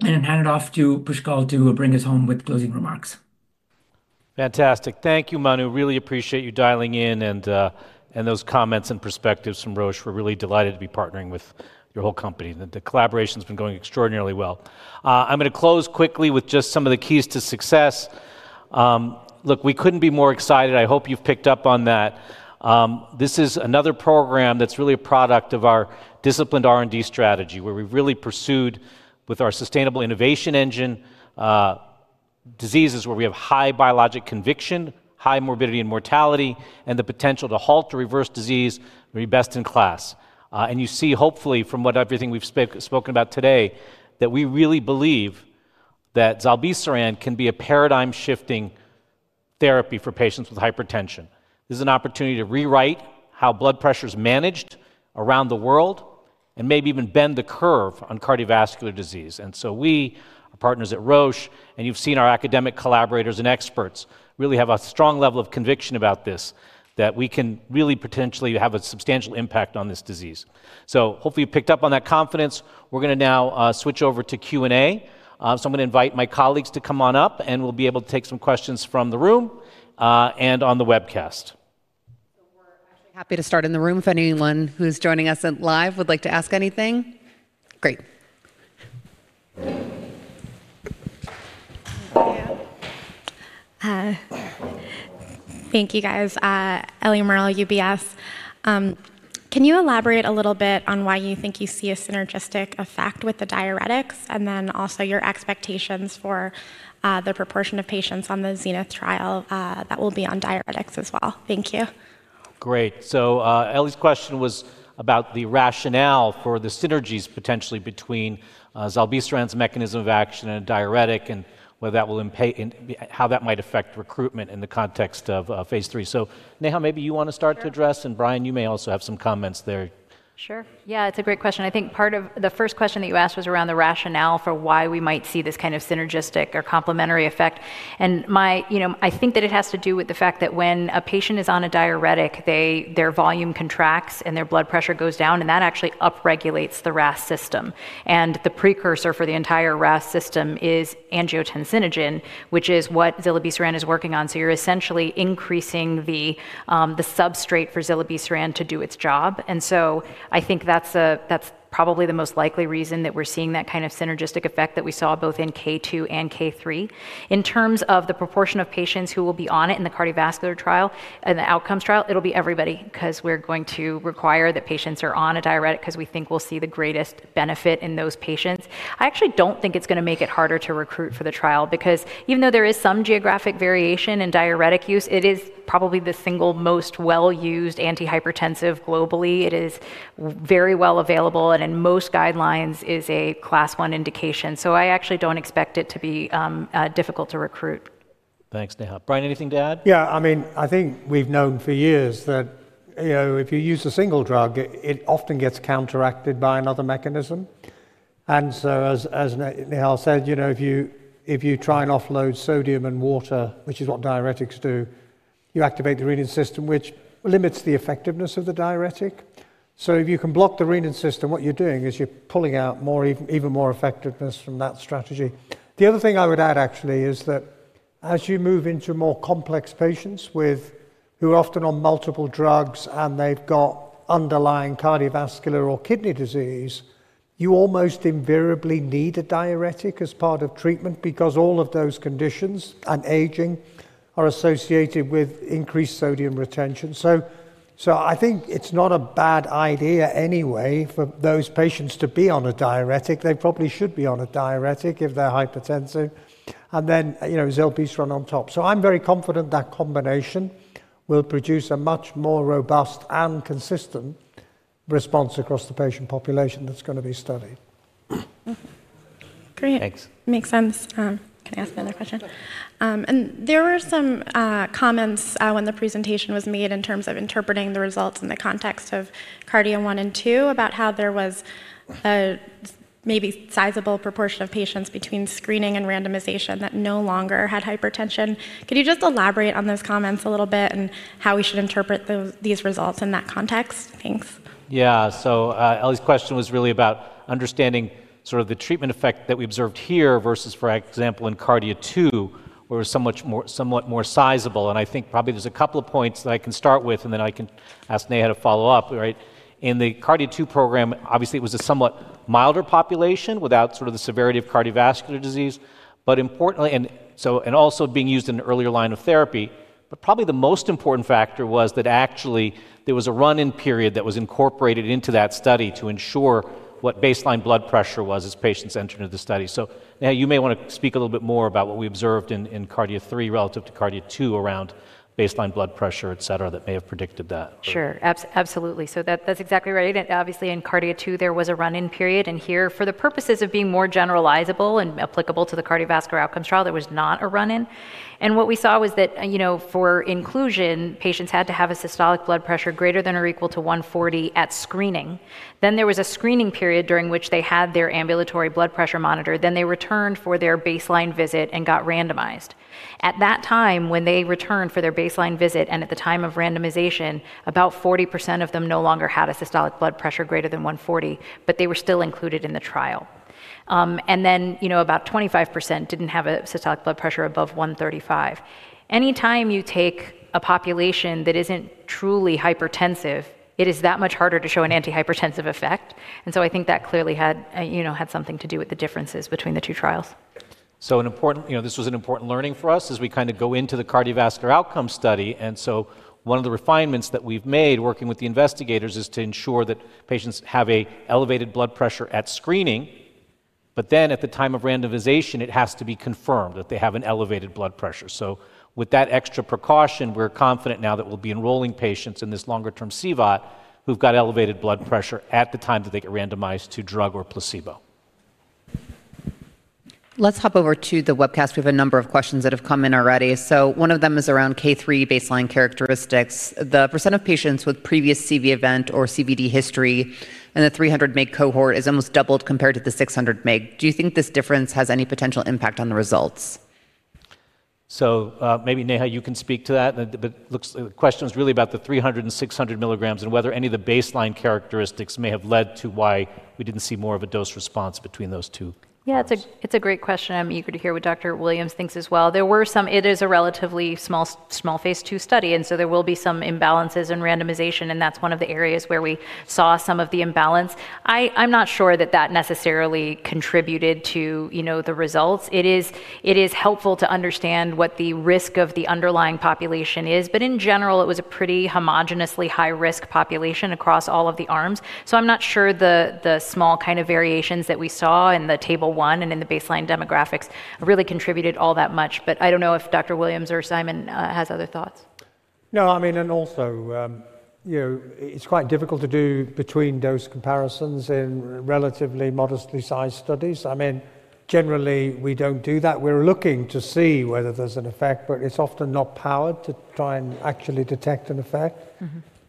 and then hand it off to Pushkal to bring us home with closing remarks. Fantastic. Thank you, Manu. Really appreciate you dialing in and those comments and perspectives from Roche. We're really delighted to be partnering with your whole company. The collaboration has been going extraordinarily well. I'm going to close quickly with just some of the keys to success. Look, we couldn't be more excited. I hope you've picked up on that. This is another program that's really a product of our disciplined R&D strategy, where we really pursued with our sustainable innovation engine diseases where we have high biologic conviction, high morbidity and mortality, and the potential to halt or reverse disease, and be best in class. You see, hopefully, from what everything we've spoken about today, that we really believe that zilebesiran can be a paradigm-shifting therapy for patients with hypertension. This is an opportunity to rewrite how blood pressure is managed around the world and maybe even bend the curve on cardiovascular disease. We, our partners at Roche, and you've seen our academic collaborators and experts really have a strong level of conviction about this, that we can really potentially have a substantial impact on this disease. Hopefully, you picked up on that confidence. We're going to now switch over to Q&A. I'm going to invite my colleagues to come on up. We'll be able to take some questions from the room and on the webcast. Happy to start in the room if anyone who is joining us live would like to ask anything. Great. Thank you, guys. Ellie Merle, UBS. Can you elaborate a little bit on why you think you see a synergistic effect with the diuretics, and then also your expectations for the proportion of patients on the ZENITH trial that will be on diuretics as well? Thank you. Great. Ellie's question was about the rationale for the synergies potentially between zilebesiran's mechanism of action and a diuretic and how that might affect recruitment in the context of phase III. Neha, maybe you want to start to address. Bryan, you may also have some comments there. Sure. Yeah, it's a great question. I think part of the first question that you asked was around the rationale for why we might see this kind of synergistic or complementary effect. I think that it has to do with the fact that when a patient is on a diuretic, their volume contracts and their blood pressure goes down. That actually upregulates the RAS system, and the precursor for the entire RAS system is angiotensinogen, which is what zilebesiran is working on. You're essentially increasing the substrate for zilebesiran to do its job. I think that's probably the most likely reason that we're seeing that kind of synergistic effect that we saw both in K2 and K3. In terms of the proportion of patients who will be on it in the cardiovascular trial and the outcomes trial, it'll be everybody, because we're going to require that patients are on a diuretic, because we think we'll see the greatest benefit in those patients. I actually don't think it's going to make it harder to recruit for the trial, because even though there is some geographic variation in diuretic use, it is probably the single most well-used antihypertensive globally. It is very well available, and in most guidelines, it is a class 1 indication. I actually don't expect it to be difficult to recruit. Thanks, Neha. Bryan, anything to add? Yeah, I mean, I think we've known for years that if you use a single drug, it often gets counteracted by another mechanism. As Neha said, if you try and offload sodium and water, which is what diuretics do, you activate the renin system, which limits the effectiveness of the diuretic. If you can block the renin system, what you're doing is you're pulling out even more effectiveness from that strategy. The other thing I would add, actually, is that as you move into more complex patients who are often on multiple drugs and they've got underlying cardiovascular or kidney disease, you almost invariably need a diuretic as part of treatment, because all of those conditions and aging are associated with increased sodium retention. I think it's not a bad idea anyway for those patients to be on a diuretic. They probably should be on a diuretic if they're hypertensive, and then zilebesiran on top. I'm very confident that combination will produce a much more robust and consistent response across the patient population that's going to be studied. Great. Makes sense. I'm going to ask another question. There were some comments when the presentation was made in terms of interpreting the results in the context of CARDIA 1 and 2 about how there was a maybe sizable proportion of patients between screening and randomization that no longer had hypertension. Could you just elaborate on those comments a little bit and how we should interpret these results in that context? Thanks. Yeah, so Ellie's question was really about understanding sort of the treatment effect that we observed here versus, for example, in CARDIA 2, where it was somewhat more sizable. I think probably there's a couple of points that I can start with, and then I can ask Neha to follow up. In the CARDIA 2 program, obviously, it was a somewhat milder population without sort of the severity of cardiovascular disease, but importantly, and also being used in an earlier line of therapy. Probably the most important factor was that actually there was a run-in period that was incorporated into that study to ensure what baseline blood pressure was as patients entered into the study. You may want to speak a little bit more about what we observed in CARDIA 3 relative to CARDIA 2 around baseline blood pressure, et cetera, that may have predicted that. Sure, absolutely. That's exactly right. Obviously, in CARDIA 2, there was a run-in period. Here, for the purposes of being more generalizable and applicable to the cardiovascular outcomes trial, there was not a run-in. What we saw was that for inclusion, patients had to have a systolic blood pressure greater than or equal to 140 mg at screening. There was a screening period during which they had their ambulatory blood pressure monitored. They returned for their baseline visit and got randomized. At that time, when they returned for their baseline visit and at the time of randomization, about 40% of them no longer had a systolic blood pressure greater than 140 mg, but they were still included in the trial. About 25% didn't have a systolic blood pressure above 135 mg. Any time you take a population that isn't truly hypertensive, it is that much harder to show an antihypertensive effect. I think that clearly had something to do with the differences between the two trials. This was an important learning for us as we kind of go into the cardiovascular outcomes study. One of the refinements that we've made working with the investigators is to ensure that patients have an elevated blood pressure at screening. At the time of randomization, it has to be confirmed that they have an elevated blood pressure. With that extra precaution, we're confident now that we'll be enrolling patients in this longer-term CVAT who've got elevated blood pressure at the time that they get randomized to drug or placebo. Let's hop over to the webcast. We have a number of questions that have come in already. One of them is around CARDIA 3 baseline characteristics. The percentage of patients with previous CV event or CVD history in the 300 mg cohort is almost doubled compared to the 600 mg. Do you think this difference has any potential impact on the results? Neha, you can speak to that. The question is really about the 300 mg and 600 mg and whether any of the baseline characteristics may have led to why we didn't see more of a dose response between those two. Yeah, it's a great question. I'm eager to hear what Dr. Williams thinks as well. It is a relatively small phase II study, so there will be some imbalances in randomization. That's one of the areas where we saw some of the imbalance. I'm not sure that necessarily contributed to the results. It is helpful to understand what the risk of the underlying population is. In general, it was a pretty homogeneously high-risk population across all of the arms. I'm not sure the small kind of variations that we saw in the table 1 and in the baseline demographics really contributed all that much. I don't know if Dr. Williams or Simon has other thoughts. No, I mean, it's quite difficult to do between-dose comparisons in relatively modestly sized studies. Generally, we don't do that. We're looking to see whether there's an effect, but it's often not powered to try and actually detect an effect.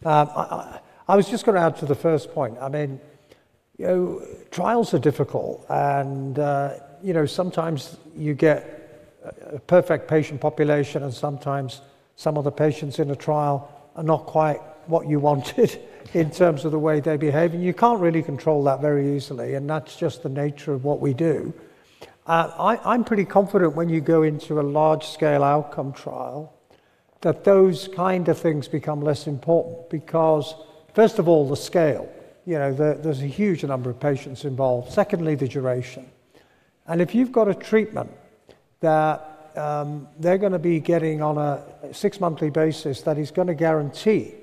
I was just going to add to the first point. Trials are difficult. Sometimes you get a perfect patient population, and sometimes some of the patients in a trial are not quite what you wanted in terms of the way they behave. You can't really control that very easily, and that's just the nature of what we do. I'm pretty confident when you go into a large-scale outcome trial that those kind of things become less important, because first of all, the scale. There's a huge number of patients involved. Secondly, the duration. If you've got a treatment that they're going to be getting on a six-monthly basis, that is going to guarantee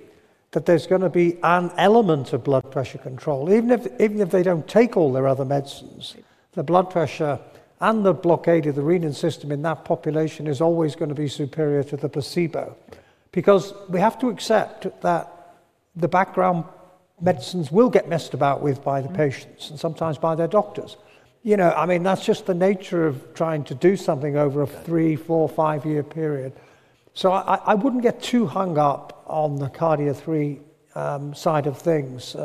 that there's going to be an element of blood pressure control, even if they don't take all their other medicines. The blood pressure and the blockade of the renin system in that population is always going to be superior to the placebo, because we have to accept that the background medicines will get messed about with by the patients and sometimes by their doctors. That's just the nature of trying to do something over a three, four, five-year period. I wouldn't get too hung up on the CARDIA 3 side of things.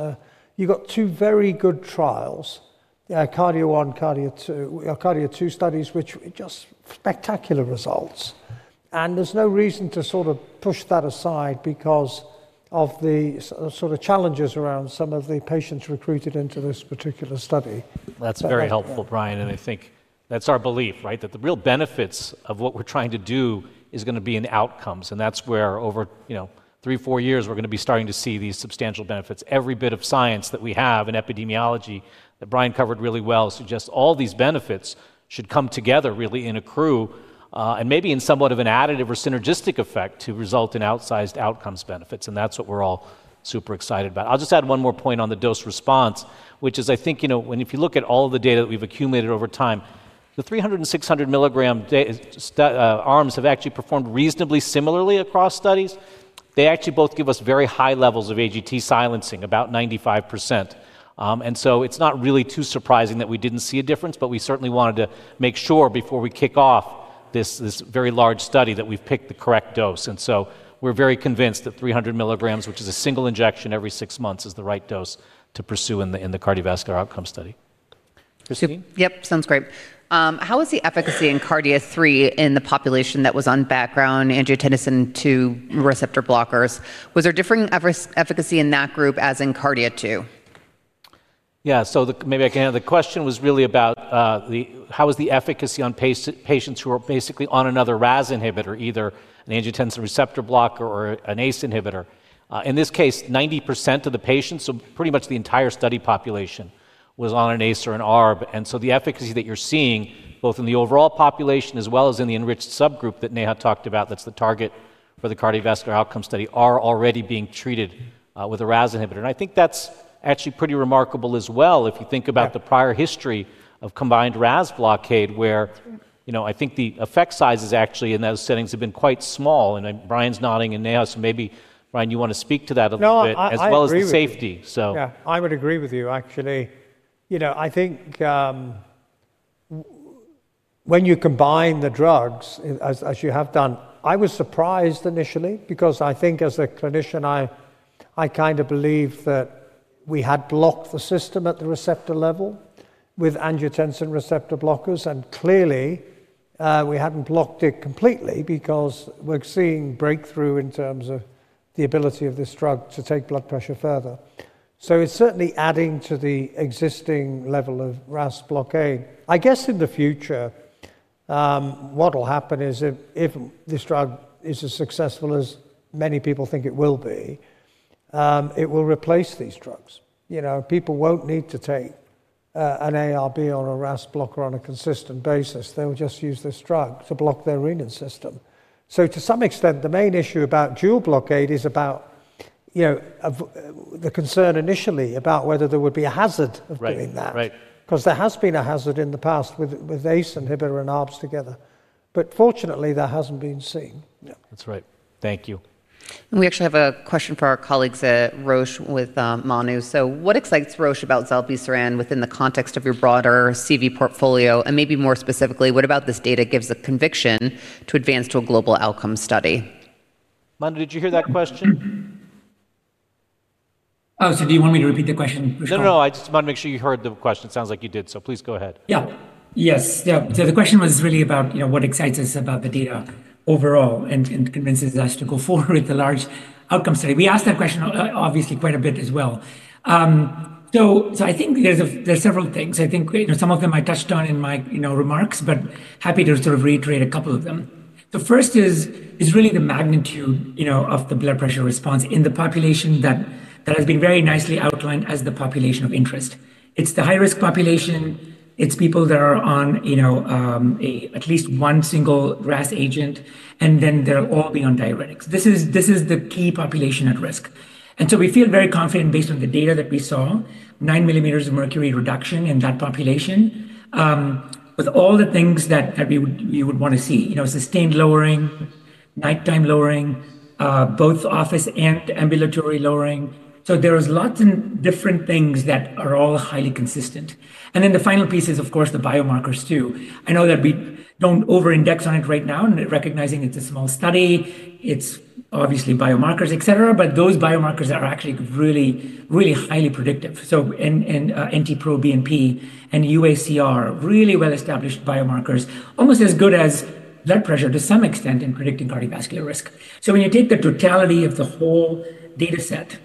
You've got two very good trials, CARDIA 1 and CARDIA 2, CARDIA 2 studies, which are just spectacular results. There's no reason to sort of push that aside because of the sort of challenges around some of the patients recruited into this particular study. That's very helpful, Bryan. I think that's our belief, right, that the real benefits of what we're trying to do are going to be in outcomes. That's where over three, four years, we're going to be starting to see these substantial benefits. Every bit of science that we have in epidemiology that Bryan covered really well suggests all these benefits should come together really in a crew and maybe in somewhat of an additive or synergistic effect to result in outsized outcomes benefits. That's what we're all super excited about. I'll just add one more point on the dose response, which is I think, you know, if you look at all of the data that we've accumulated over time, the 300 mg and 600 mg arms have actually performed reasonably similarly across studies. They actually both give us very high levels of angiotensinogen silencing, about 95%. It's not really too surprising that we didn't see a difference. We certainly wanted to make sure before we kick off this very large study that we've picked the correct dose. We're very convinced that 300 mg, which is a single injection every six months, is the right dose to pursue in the cardiovascular outcomes study. Yep, sounds great. How was the efficacy in CARDIA 3 in the population that was on background angiotensin II receptor blockers? Was there differing efficacy in that group as in CARDIA 2? Yeah, so maybe I can answer. The question was really about how was the efficacy on patients who were basically on another RAS inhibitor, either an angiotensin receptor blocker or an ACE inhibitor. In this case, 90% of the patients, so pretty much the entire study population, was on an ACE or an ARB. The efficacy that you're seeing both in the overall population as well as in the enriched subgroup that Neha talked about, that's the target for the cardiovascular outcome study, are already being treated with a RAS inhibitor. I think that's actually pretty remarkable as well if you think about the prior history of combined RAS blockade, where I think the effect sizes actually in those settings have been quite small. Bryan's nodding and Neha. Maybe, Bryan, you want to speak to that a little bit as well as safety. Yeah, I would agree with you, actually. I think when you combine the drugs, as you have done, I was surprised initially, because I think as a clinician, I kind of believe that we had blocked the system at the receptor level with angiotensin receptor blockers. Clearly, we hadn't blocked it completely because we're seeing breakthrough in terms of the ability of this drug to take blood pressure further. It is certainly adding to the existing level of RAS blockade. I guess in the future, what will happen is if this drug is as successful as many people think it will be, it will replace these drugs. People won't need to take an ARB or a RAS blocker on a consistent basis. They will just use this drug to block their renin system. To some extent, the main issue about dual blockade is about the concern initially about whether there would be a hazard of doing that, because there has been a hazard in the past with ACE inhibitors and ARBs together. Fortunately, that hasn't been seen. That's right. Thank you. We actually have a question for our colleagues at Roche with Manu. What excites Roche about zilebesiran within the context of your broader CV portfolio? More specifically, what about this data gives a conviction to advance to a global outcomes study? Manu, did you hear that question? Do you want me to repeat the question? I just wanted to make sure you heard the question. It sounds like you did. Please go ahead. Yes. The question was really about what excites us about the data overall and convinces us to go forward with the large outcome study. We asked that question obviously quite a bit as well. I think there are several things. I think some of them I touched on in my remarks, but happy to sort of reiterate a couple of them. The first is really the magnitude of the blood pressure response in the population that has been very nicely outlined as the population of interest. It's the high-risk population. It's people that are on at least one single RAS agent, and then they're all beyond diuretics. This is the key population at risk. We feel very confident based on the data that we saw, 9 mm of mercury reduction in that population, with all the things that you would want to see, sustained lowering, nighttime lowering, both office and ambulatory lowering. There are lots of different things that are all highly consistent. The final piece is, of course, the biomarkers too. I know that we don't over-index on it right now, recognizing it's a small study. It's obviously biomarkers, et cetera. Those biomarkers are actually really, really highly predictive. NT-proBNP and UACR, really well-established biomarkers, almost as good as blood pressure to some extent in predicting cardiovascular risk. When you take the totality of the whole data set,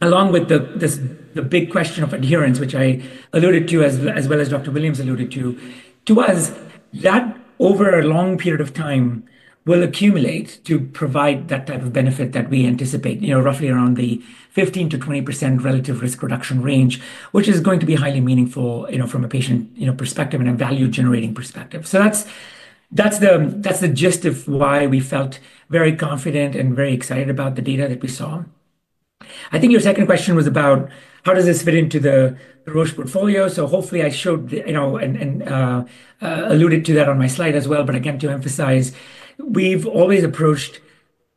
along with the big question of adherence, which I alluded to as well as Dr. Williams alluded to, to us, that over a long period of time will accumulate to provide that type of benefit that we anticipate, roughly around the 15%-20% relative risk reduction range, which is going to be highly meaningful from a patient perspective and a value-generating perspective That's the gist of why we felt very confident and very excited about the data that we saw. I think your second question was about how does this fit into the Roche portfolio. Hopefully, I showed and alluded to that on my slide as well. Again, to emphasize, we've always approached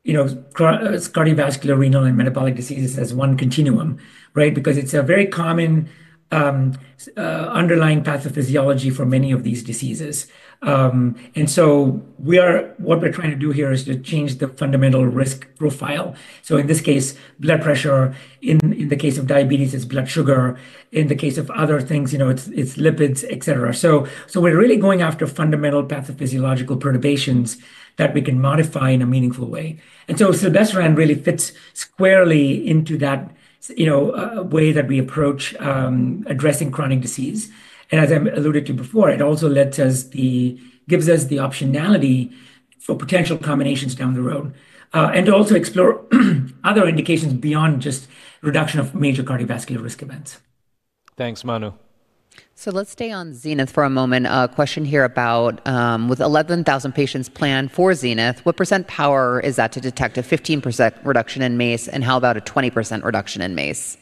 cardiovascular, renal, and metabolic diseases as one continuum, because it's a very common underlying pathophysiology for many of these diseases. What we're trying to do here is to change the fundamental risk profile. In this case, blood pressure. In the case of diabetes, it's blood sugar. In the case of other things, it's lipids, et cetera. We're really going after fundamental pathophysiological perturbations that we can modify in a meaningful way. Zilebesiran really fits squarely into that way that we approach addressing chronic disease. As I alluded to before, it also gives us the optionality for potential combinations down the road and to also explore other indications beyond just reduction of major cardiovascular risk events. Thanks, Manu. Let's stay on ZENITH for a moment. A question here about with 11,000 patients planned for ZENITH, what percent power is that to detect a 15% reduction in MACE? How about a 20% reduction in MACE?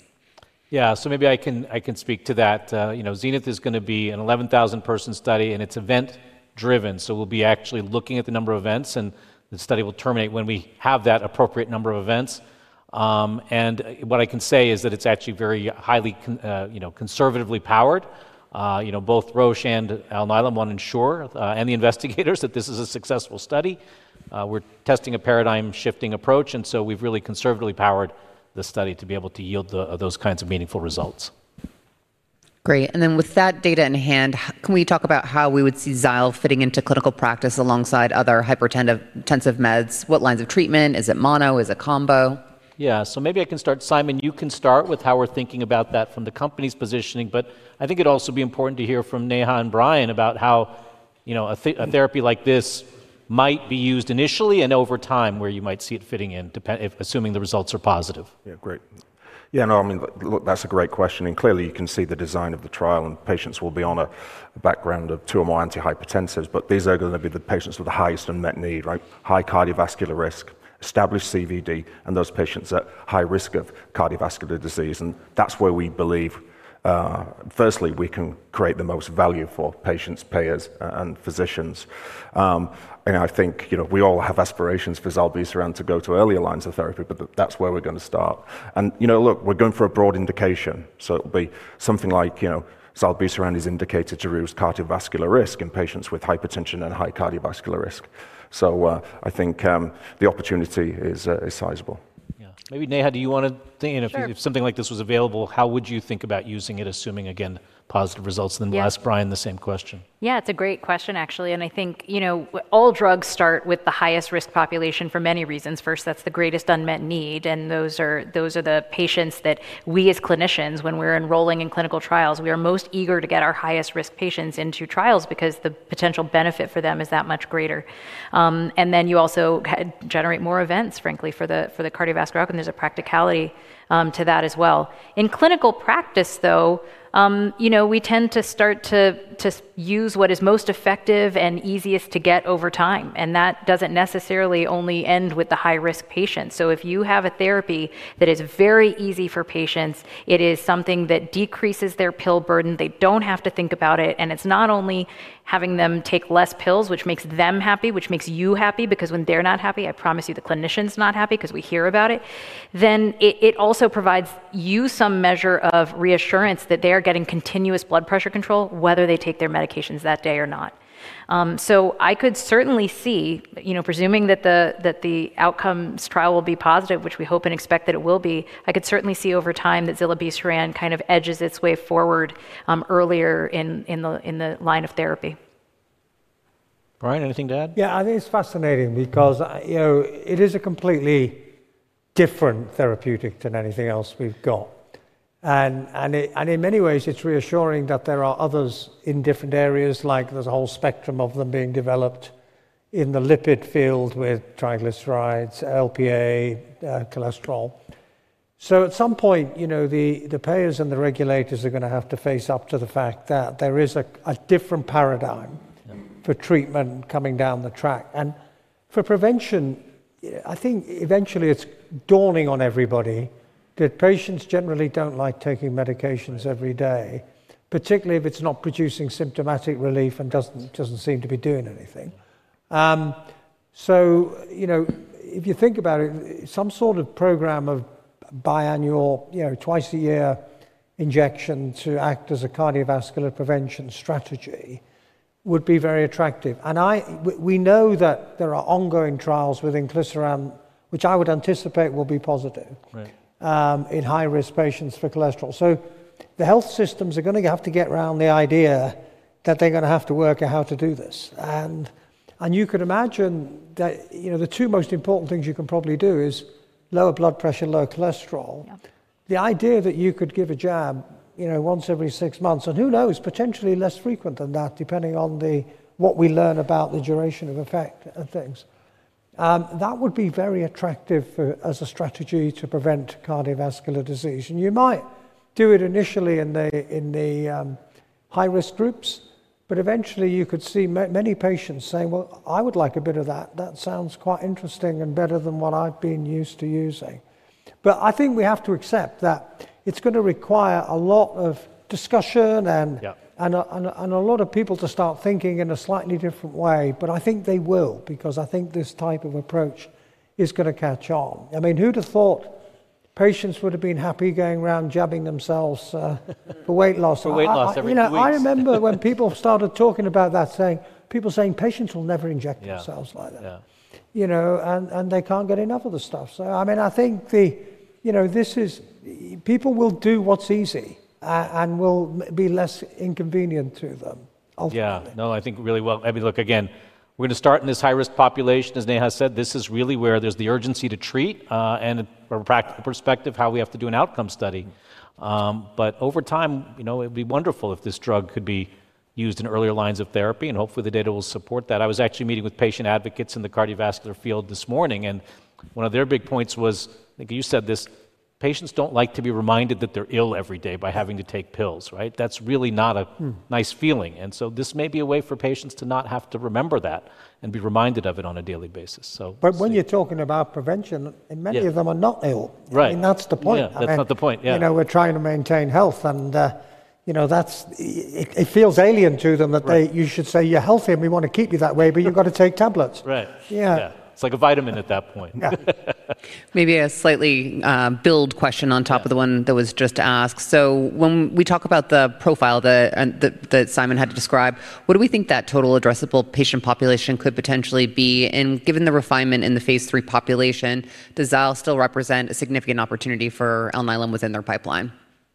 Maybe I can speak to that. ZENITH is going to be an 11,000-person study. It's event-driven. We'll be actually looking at the number of events. The study will terminate when we have that appropriate number of events. What I can say is that it's actually very highly conservatively powered. Both Roche and Alnylam want to ensure, and the investigators, that this is a successful study. We're testing a paradigm-shifting approach. We've really conservatively powered the study to be able to yield those kinds of meaningful results. Great. With that data in hand, can we talk about how we would see zilebesiran fitting into clinical practice alongside other antihypertensive agents? What lines of treatment? Is it mono? Is it combo? Yeah, maybe I can start. Simon, you can start with how we're thinking about that from the company's positioning. I think it'd also be important to hear from Neha and Bryan about how a therapy like this might be used initially and over time, where you might see it fitting in, assuming the results are positive. Yeah, great. That's a great question. Clearly, you can see the design of the trial. Patients will be on a background of two or more antihypertensive agents. These are going to be the patients with the highest unmet need, high cardiovascular risk, established cardiovascular disease, and those patients at high risk of cardiovascular disease. That's where we believe, firstly, we can create the most value for patients, payers, and physicians. I think we all have aspirations for zilebesiran to go to earlier lines of therapy. That's where we're going to start. We're going for a broad indication. It'll be something like zilebesiran is indicated to reduce cardiovascular risk in patients with hypertension and high cardiovascular risk. I think the opportunity is sizable. Yeah, maybe Neha, do you want to dig in? If something like this was available, how would you think about using it, assuming again positive results? We'll ask Bryan the same question. Yeah, it's a great question, actually. I think all drugs start with the highest risk population for many reasons. First, that's the greatest unmet need. Those are the patients that we as clinicians, when we're enrolling in clinical trials, we are most eager to get our highest risk patients into trials because the potential benefit for them is that much greater. You also generate more events, frankly, for the cardiovascular outcome. There's a practicality to that as well. In clinical practice, though, we tend to start to use what is most effective and easiest to get over time. That doesn't necessarily only end with the high-risk patients. If you have a therapy that is very easy for patients, it is something that decreases their pill burden. They don't have to think about it. It's not only having them take less pills, which makes them happy, which makes you happy, because when they're not happy, I promise you the clinician's not happy, because we hear about it. It also provides you some measure of reassurance that they are getting continuous blood pressure control, whether they take their medications that day or not. I could certainly see, presuming that the outcomes trial will be positive, which we hope and expect that it will be, I could certainly see over time that zilebesiran kind of edges its way forward earlier in the line of therapy. Bryan, anything to add? Yeah, I think it's fascinating because it is a completely different therapeutic than anything else we've got. In many ways, it's reassuring that there are others in different areas, like the whole spectrum of them being developed in the lipid field with triglycerides, LPA, cholesterol. At some point, the payers and the regulators are going to have to face up to the fact that there is a different paradigm for treatment coming down the track. For prevention, I think eventually it's dawning on everybody that patients generally don't like taking medications every day, particularly if it's not producing symptomatic relief and doesn't seem to be doing anything. If you think about it, some sort of program of biannual, twice-a-year injection to act as a cardiovascular prevention strategy would be very attractive. We know that there are ongoing trials within inclisiran, which I would anticipate will be positive in high-risk patients for cholesterol. The health systems are going to have to get around the idea that they're going to have to work out how to do this. You could imagine that the two most important things you can probably do is lower blood pressure, lower cholesterol. The idea that you could give a jab once every six months, and who knows, potentially less frequent than that, depending on what we learn about the duration of effect of things, that would be very attractive as a strategy to prevent cardiovascular disease. You might do it initially in the high-risk groups. Eventually, you could see many patients saying, well, I would like a bit of that. That sounds quite interesting and better than what I've been used to using. I think we have to accept that it's going to require a lot of discussion and a lot of people to start thinking in a slightly different way. I think they will, because I think this type of approach is going to catch on. I mean, who'd have thought patients would have been happy going around jabbing themselves for weight loss? For weight loss, everybody. I remember when people started talking about that, saying people saying patients will never inject themselves like that. They can't get enough of the stuff. I think people will do what's easy and will be less inconvenient to them. Yeah, no, I think really well. I mean, look, again, we're going to start in this high-risk population. As Neha said, this is really where there's the urgency to treat and from a practical perspective how we have to do an outcome study. Over time, it would be wonderful if this drug could be used in earlier lines of therapy. Hopefully, the data will support that. I was actually meeting with patient advocates in the cardiovascular field this morning. One of their big points was, I think you said this, patients don't like to be reminded that they're ill every day by having to take pills. That's really not a nice feeling. This may be a way for patients to not have to remember that and be reminded of it on a daily basis. When you're talking about prevention, many of them are not ill. I mean, that's the point. Yeah, that's not the point. Yeah. We're trying to maintain health. It feels alien to them that you should say you're healthy and we want to keep you that way, but you've got to take tablets. Right. Yeah, it's like a vitamin at that point. Maybe a slightly built question on top of the one that was just asked. When we talk about the profile that Simon had to describe, what do we think that total addressable patient population could potentially be? Given the refinement in the phase III population, does zilebesiran still represent a significant opportunity for Alnylam Pharmaceuticals within their pipeline?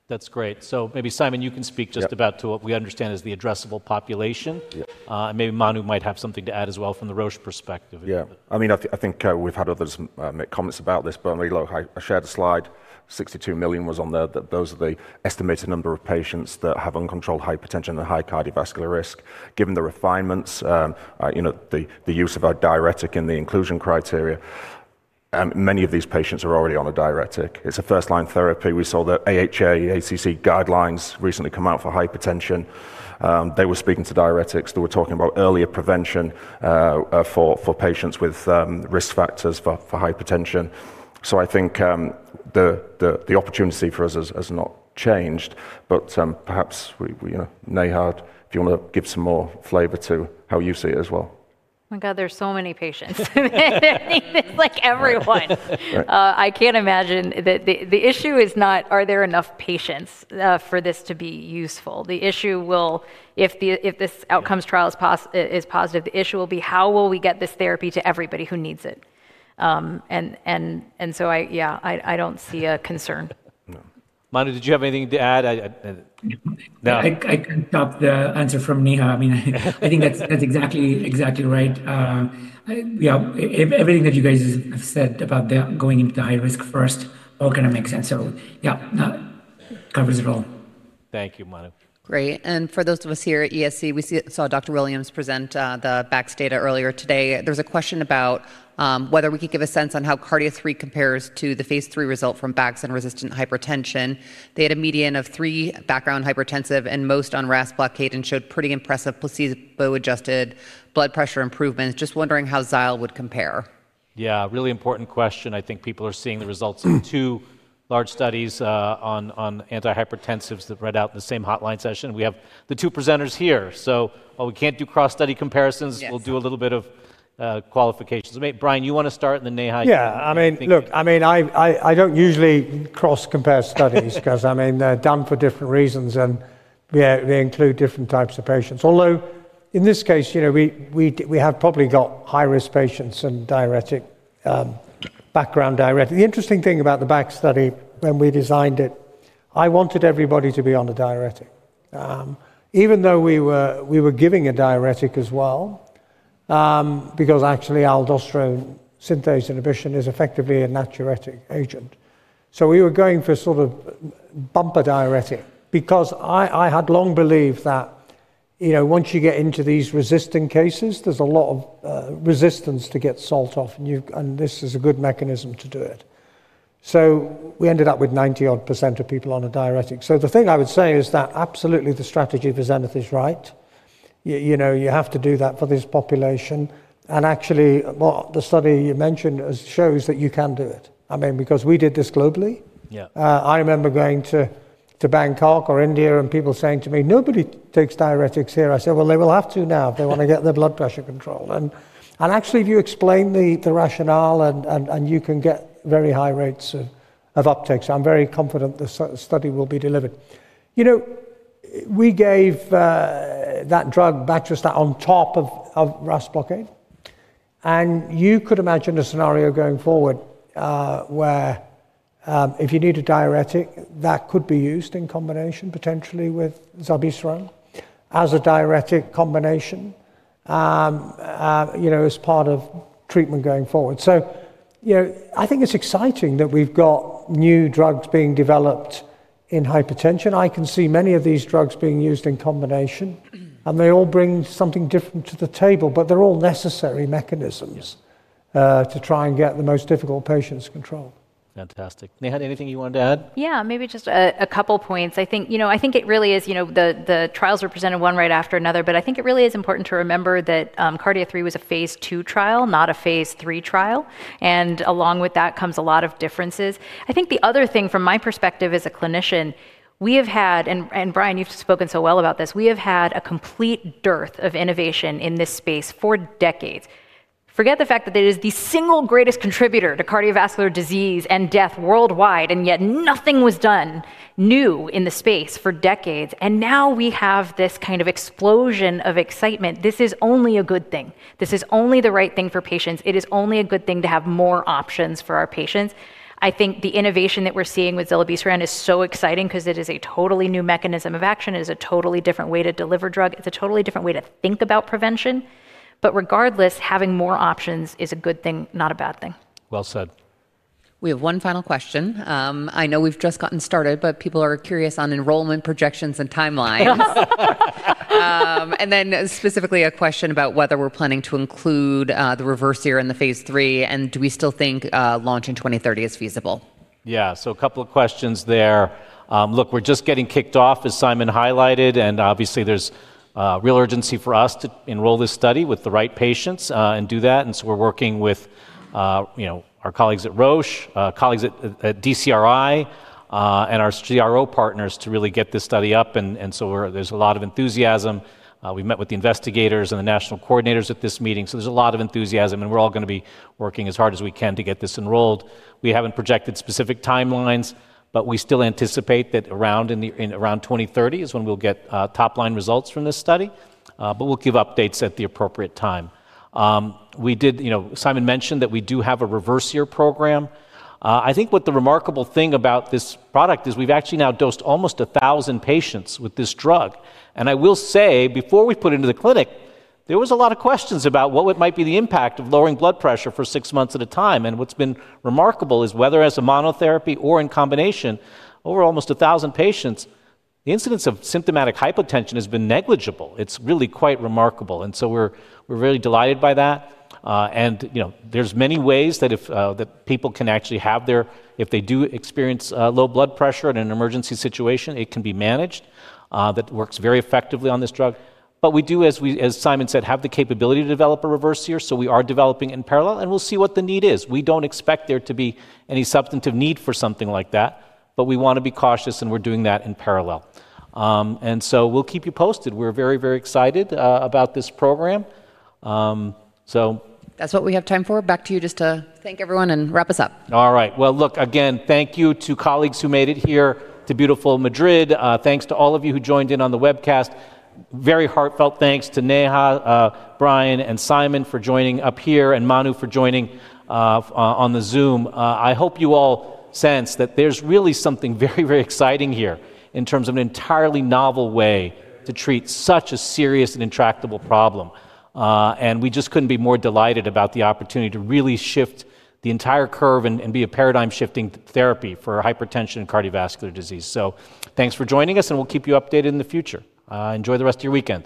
That's great. Maybe, Simon, you can speak just about what we understand as the addressable population. Maybe Manu might have something to add as well from the Roche perspective. Yeah, I mean, I think we've had others make comments about this. I shared a slide. $62 million was on there. Those are the estimated number of patients that have uncontrolled hypertension and high cardiovascular risk. Given the refinements, the use of a diuretic in the inclusion criteria, many of these patients are already on a diuretic. It's a first-line therapy. We saw the AHA/ACC guidelines recently come out for hypertension. They were speaking to diuretics. They were talking about earlier prevention for patients with risk factors for hypertension. I think the opportunity for us has not changed. Perhaps Neha, if you want to give some more flavor to how you see it as well. My god, there's so many patients. It's like everyone. I can't imagine that the issue is not, are there enough patients for this to be useful? The issue will be, if this outcomes trial is positive, the issue will be, how will we get this therapy to everybody who needs it? Yeah, I don't see a concern. Manu, did you have anything to add? No, I can't stop the answer from Neha. I mean, I think that's exactly right. Everything that you guys have said about going into high risk first, all going to make sense. Comments are all. Thank you, Manu. Great. For those of us here at ESC, we saw Dr. Williams present the BAX data earlier today. There's a question about whether we could give a sense on how CARDIA 3 compares to the phase III result from BAX and resistant hypertension. They had a median of three background antihypertensive and most on RAS blockade and showed pretty impressive placebo-adjusted blood pressure improvements. Just wondering how zilebesiran would compare. Yeah, really important question. I think people are seeing the results of two large studies on antihypertensive agents that read out in the same hotline session. We have the two presenters here. While we can't do cross-study comparisons, we'll do a little bit of qualifications. Bryan, you want to start and then Neha? Yeah, I mean, look, I don't usually cross-compare studies because they're done for different reasons, and they include different types of patients. Although in this case, you know, we have probably got high-risk patients and background diuretics. The interesting thing about the BAX study, when we designed it, I wanted everybody to be on a diuretic, even though we were giving a diuretic as well, because actually, aldosterone synthase inhibition is effectively a natriuretic agent. We were going for sort of bumper diuretic because I had long believed that once you get into these resistant cases, there's a lot of resistance to get salt off, and this is a good mechanism to do it. We ended up with 90% of people on a diuretic. The thing I would say is that absolutely, the strategy presented is right. You have to do that for this population, and actually, the study you mentioned shows that you can do it because we did this globally. I remember going to Bangkok or India and people saying to me, nobody takes diuretics here. I said, they will have to now if they want to get their blood pressure controlled. If you explain the rationale, you can get very high rates of uptake. I'm very confident the study will be delivered. We gave that drug, Baxdrostat, on top of RAS blockade, and you could imagine a scenario going forward where, if you need a diuretic, that could be used in combination potentially with zilebesiran as a diuretic combination as part of treatment going forward. I think it's exciting that we've got new drugs being developed in hypertension. I can see many of these drugs being used in combination, and they all bring something different to the table. They're all necessary mechanisms to try and get the most difficult patients controlled. Fantastic. Neha, anything you wanted to add? Yeah, maybe just a couple of points. I think it really is, you know, the trials are presented one right after another. I think it really is important to remember that CARDIA 3 was a phase II trial, not a phase III trial. Along with that comes a lot of differences. I think the other thing from my perspective as a clinician, we have had, and Bryan, you've spoken so well about this, we have had a complete dearth of innovation in this space for decades. Forget the fact that it is the single greatest contributor to cardiovascular disease and death worldwide. Yet nothing was done new in the space for decades. Now we have this kind of explosion of excitement. This is only a good thing. This is only the right thing for patients. It is only a good thing to have more options for our patients. I think the innovation that we're seeing with zilebesiran is so exciting because it is a totally new mechanism of action. It is a totally different way to deliver drug. It's a totally different way to think about prevention. Regardless, having more options is a good thing, not a bad thing. Well said. We have one final question. I know we've just gotten started, but people are curious on enrollment projections and timelines. There is specifically a question about whether we're planning to include the reverse year in the Phase 3. Do we still think launching 2030 is feasible? Yeah, so a couple of questions there. Look, we're just getting kicked off, as Simon highlighted. Obviously, there's real urgency for us to enroll this study with the right patients and do that. We're working with our colleagues at Roche, colleagues at DCRI, and our CRO partners to really get this study up. There's a lot of enthusiasm. We met with the investigators and the national coordinators at this meeting. There's a lot of enthusiasm, and we're all going to be working as hard as we can to get this enrolled. We haven't projected specific timelines. We still anticipate that around 2030 is when we'll get top-line results from this study. We'll give updates at the appropriate time. Simon mentioned that we do have a reverse year program. I think what the remarkable thing about this product is we've actually now dosed almost 1,000 patients with this drug. I will say, before we put it into the clinic, there were a lot of questions about what might be the impact of lowering blood pressure for six months at a time. What's been remarkable is whether as a monotherapy or in combination over almost 1,000 patients, the incidence of symptomatic hypotension has been negligible. It's really quite remarkable. We're really delighted by that. There are many ways that people can actually have their, if they do experience low blood pressure in an emergency situation, it can be managed. That works very effectively on this drug. We do, as Simon said, have the capability to develop a reverse year. We are developing in parallel, and we'll see what the need is. We don't expect there to be any substantive need for something like that. We want to be cautious, and we're doing that in parallel. We'll keep you posted. We're very, very excited about this program. That's what we have time for. Back to you just to thank everyone and wrap us up. All right. Thank you to colleagues who made it here to beautiful Madrid. Thanks to all of you who joined in on the webcast. Very heartfelt thanks to Neha, Bryan, and Simon for joining up here and Manu for joining on the Zoom. I hope you all sense that there's really something very, very exciting here in terms of an entirely novel way to treat such a serious and intractable problem. We just couldn't be more delighted about the opportunity to really shift the entire curve and be a paradigm-shifting therapy for hypertension and cardiovascular disease. Thanks for joining us. We'll keep you updated in the future. Enjoy the rest of your weekend.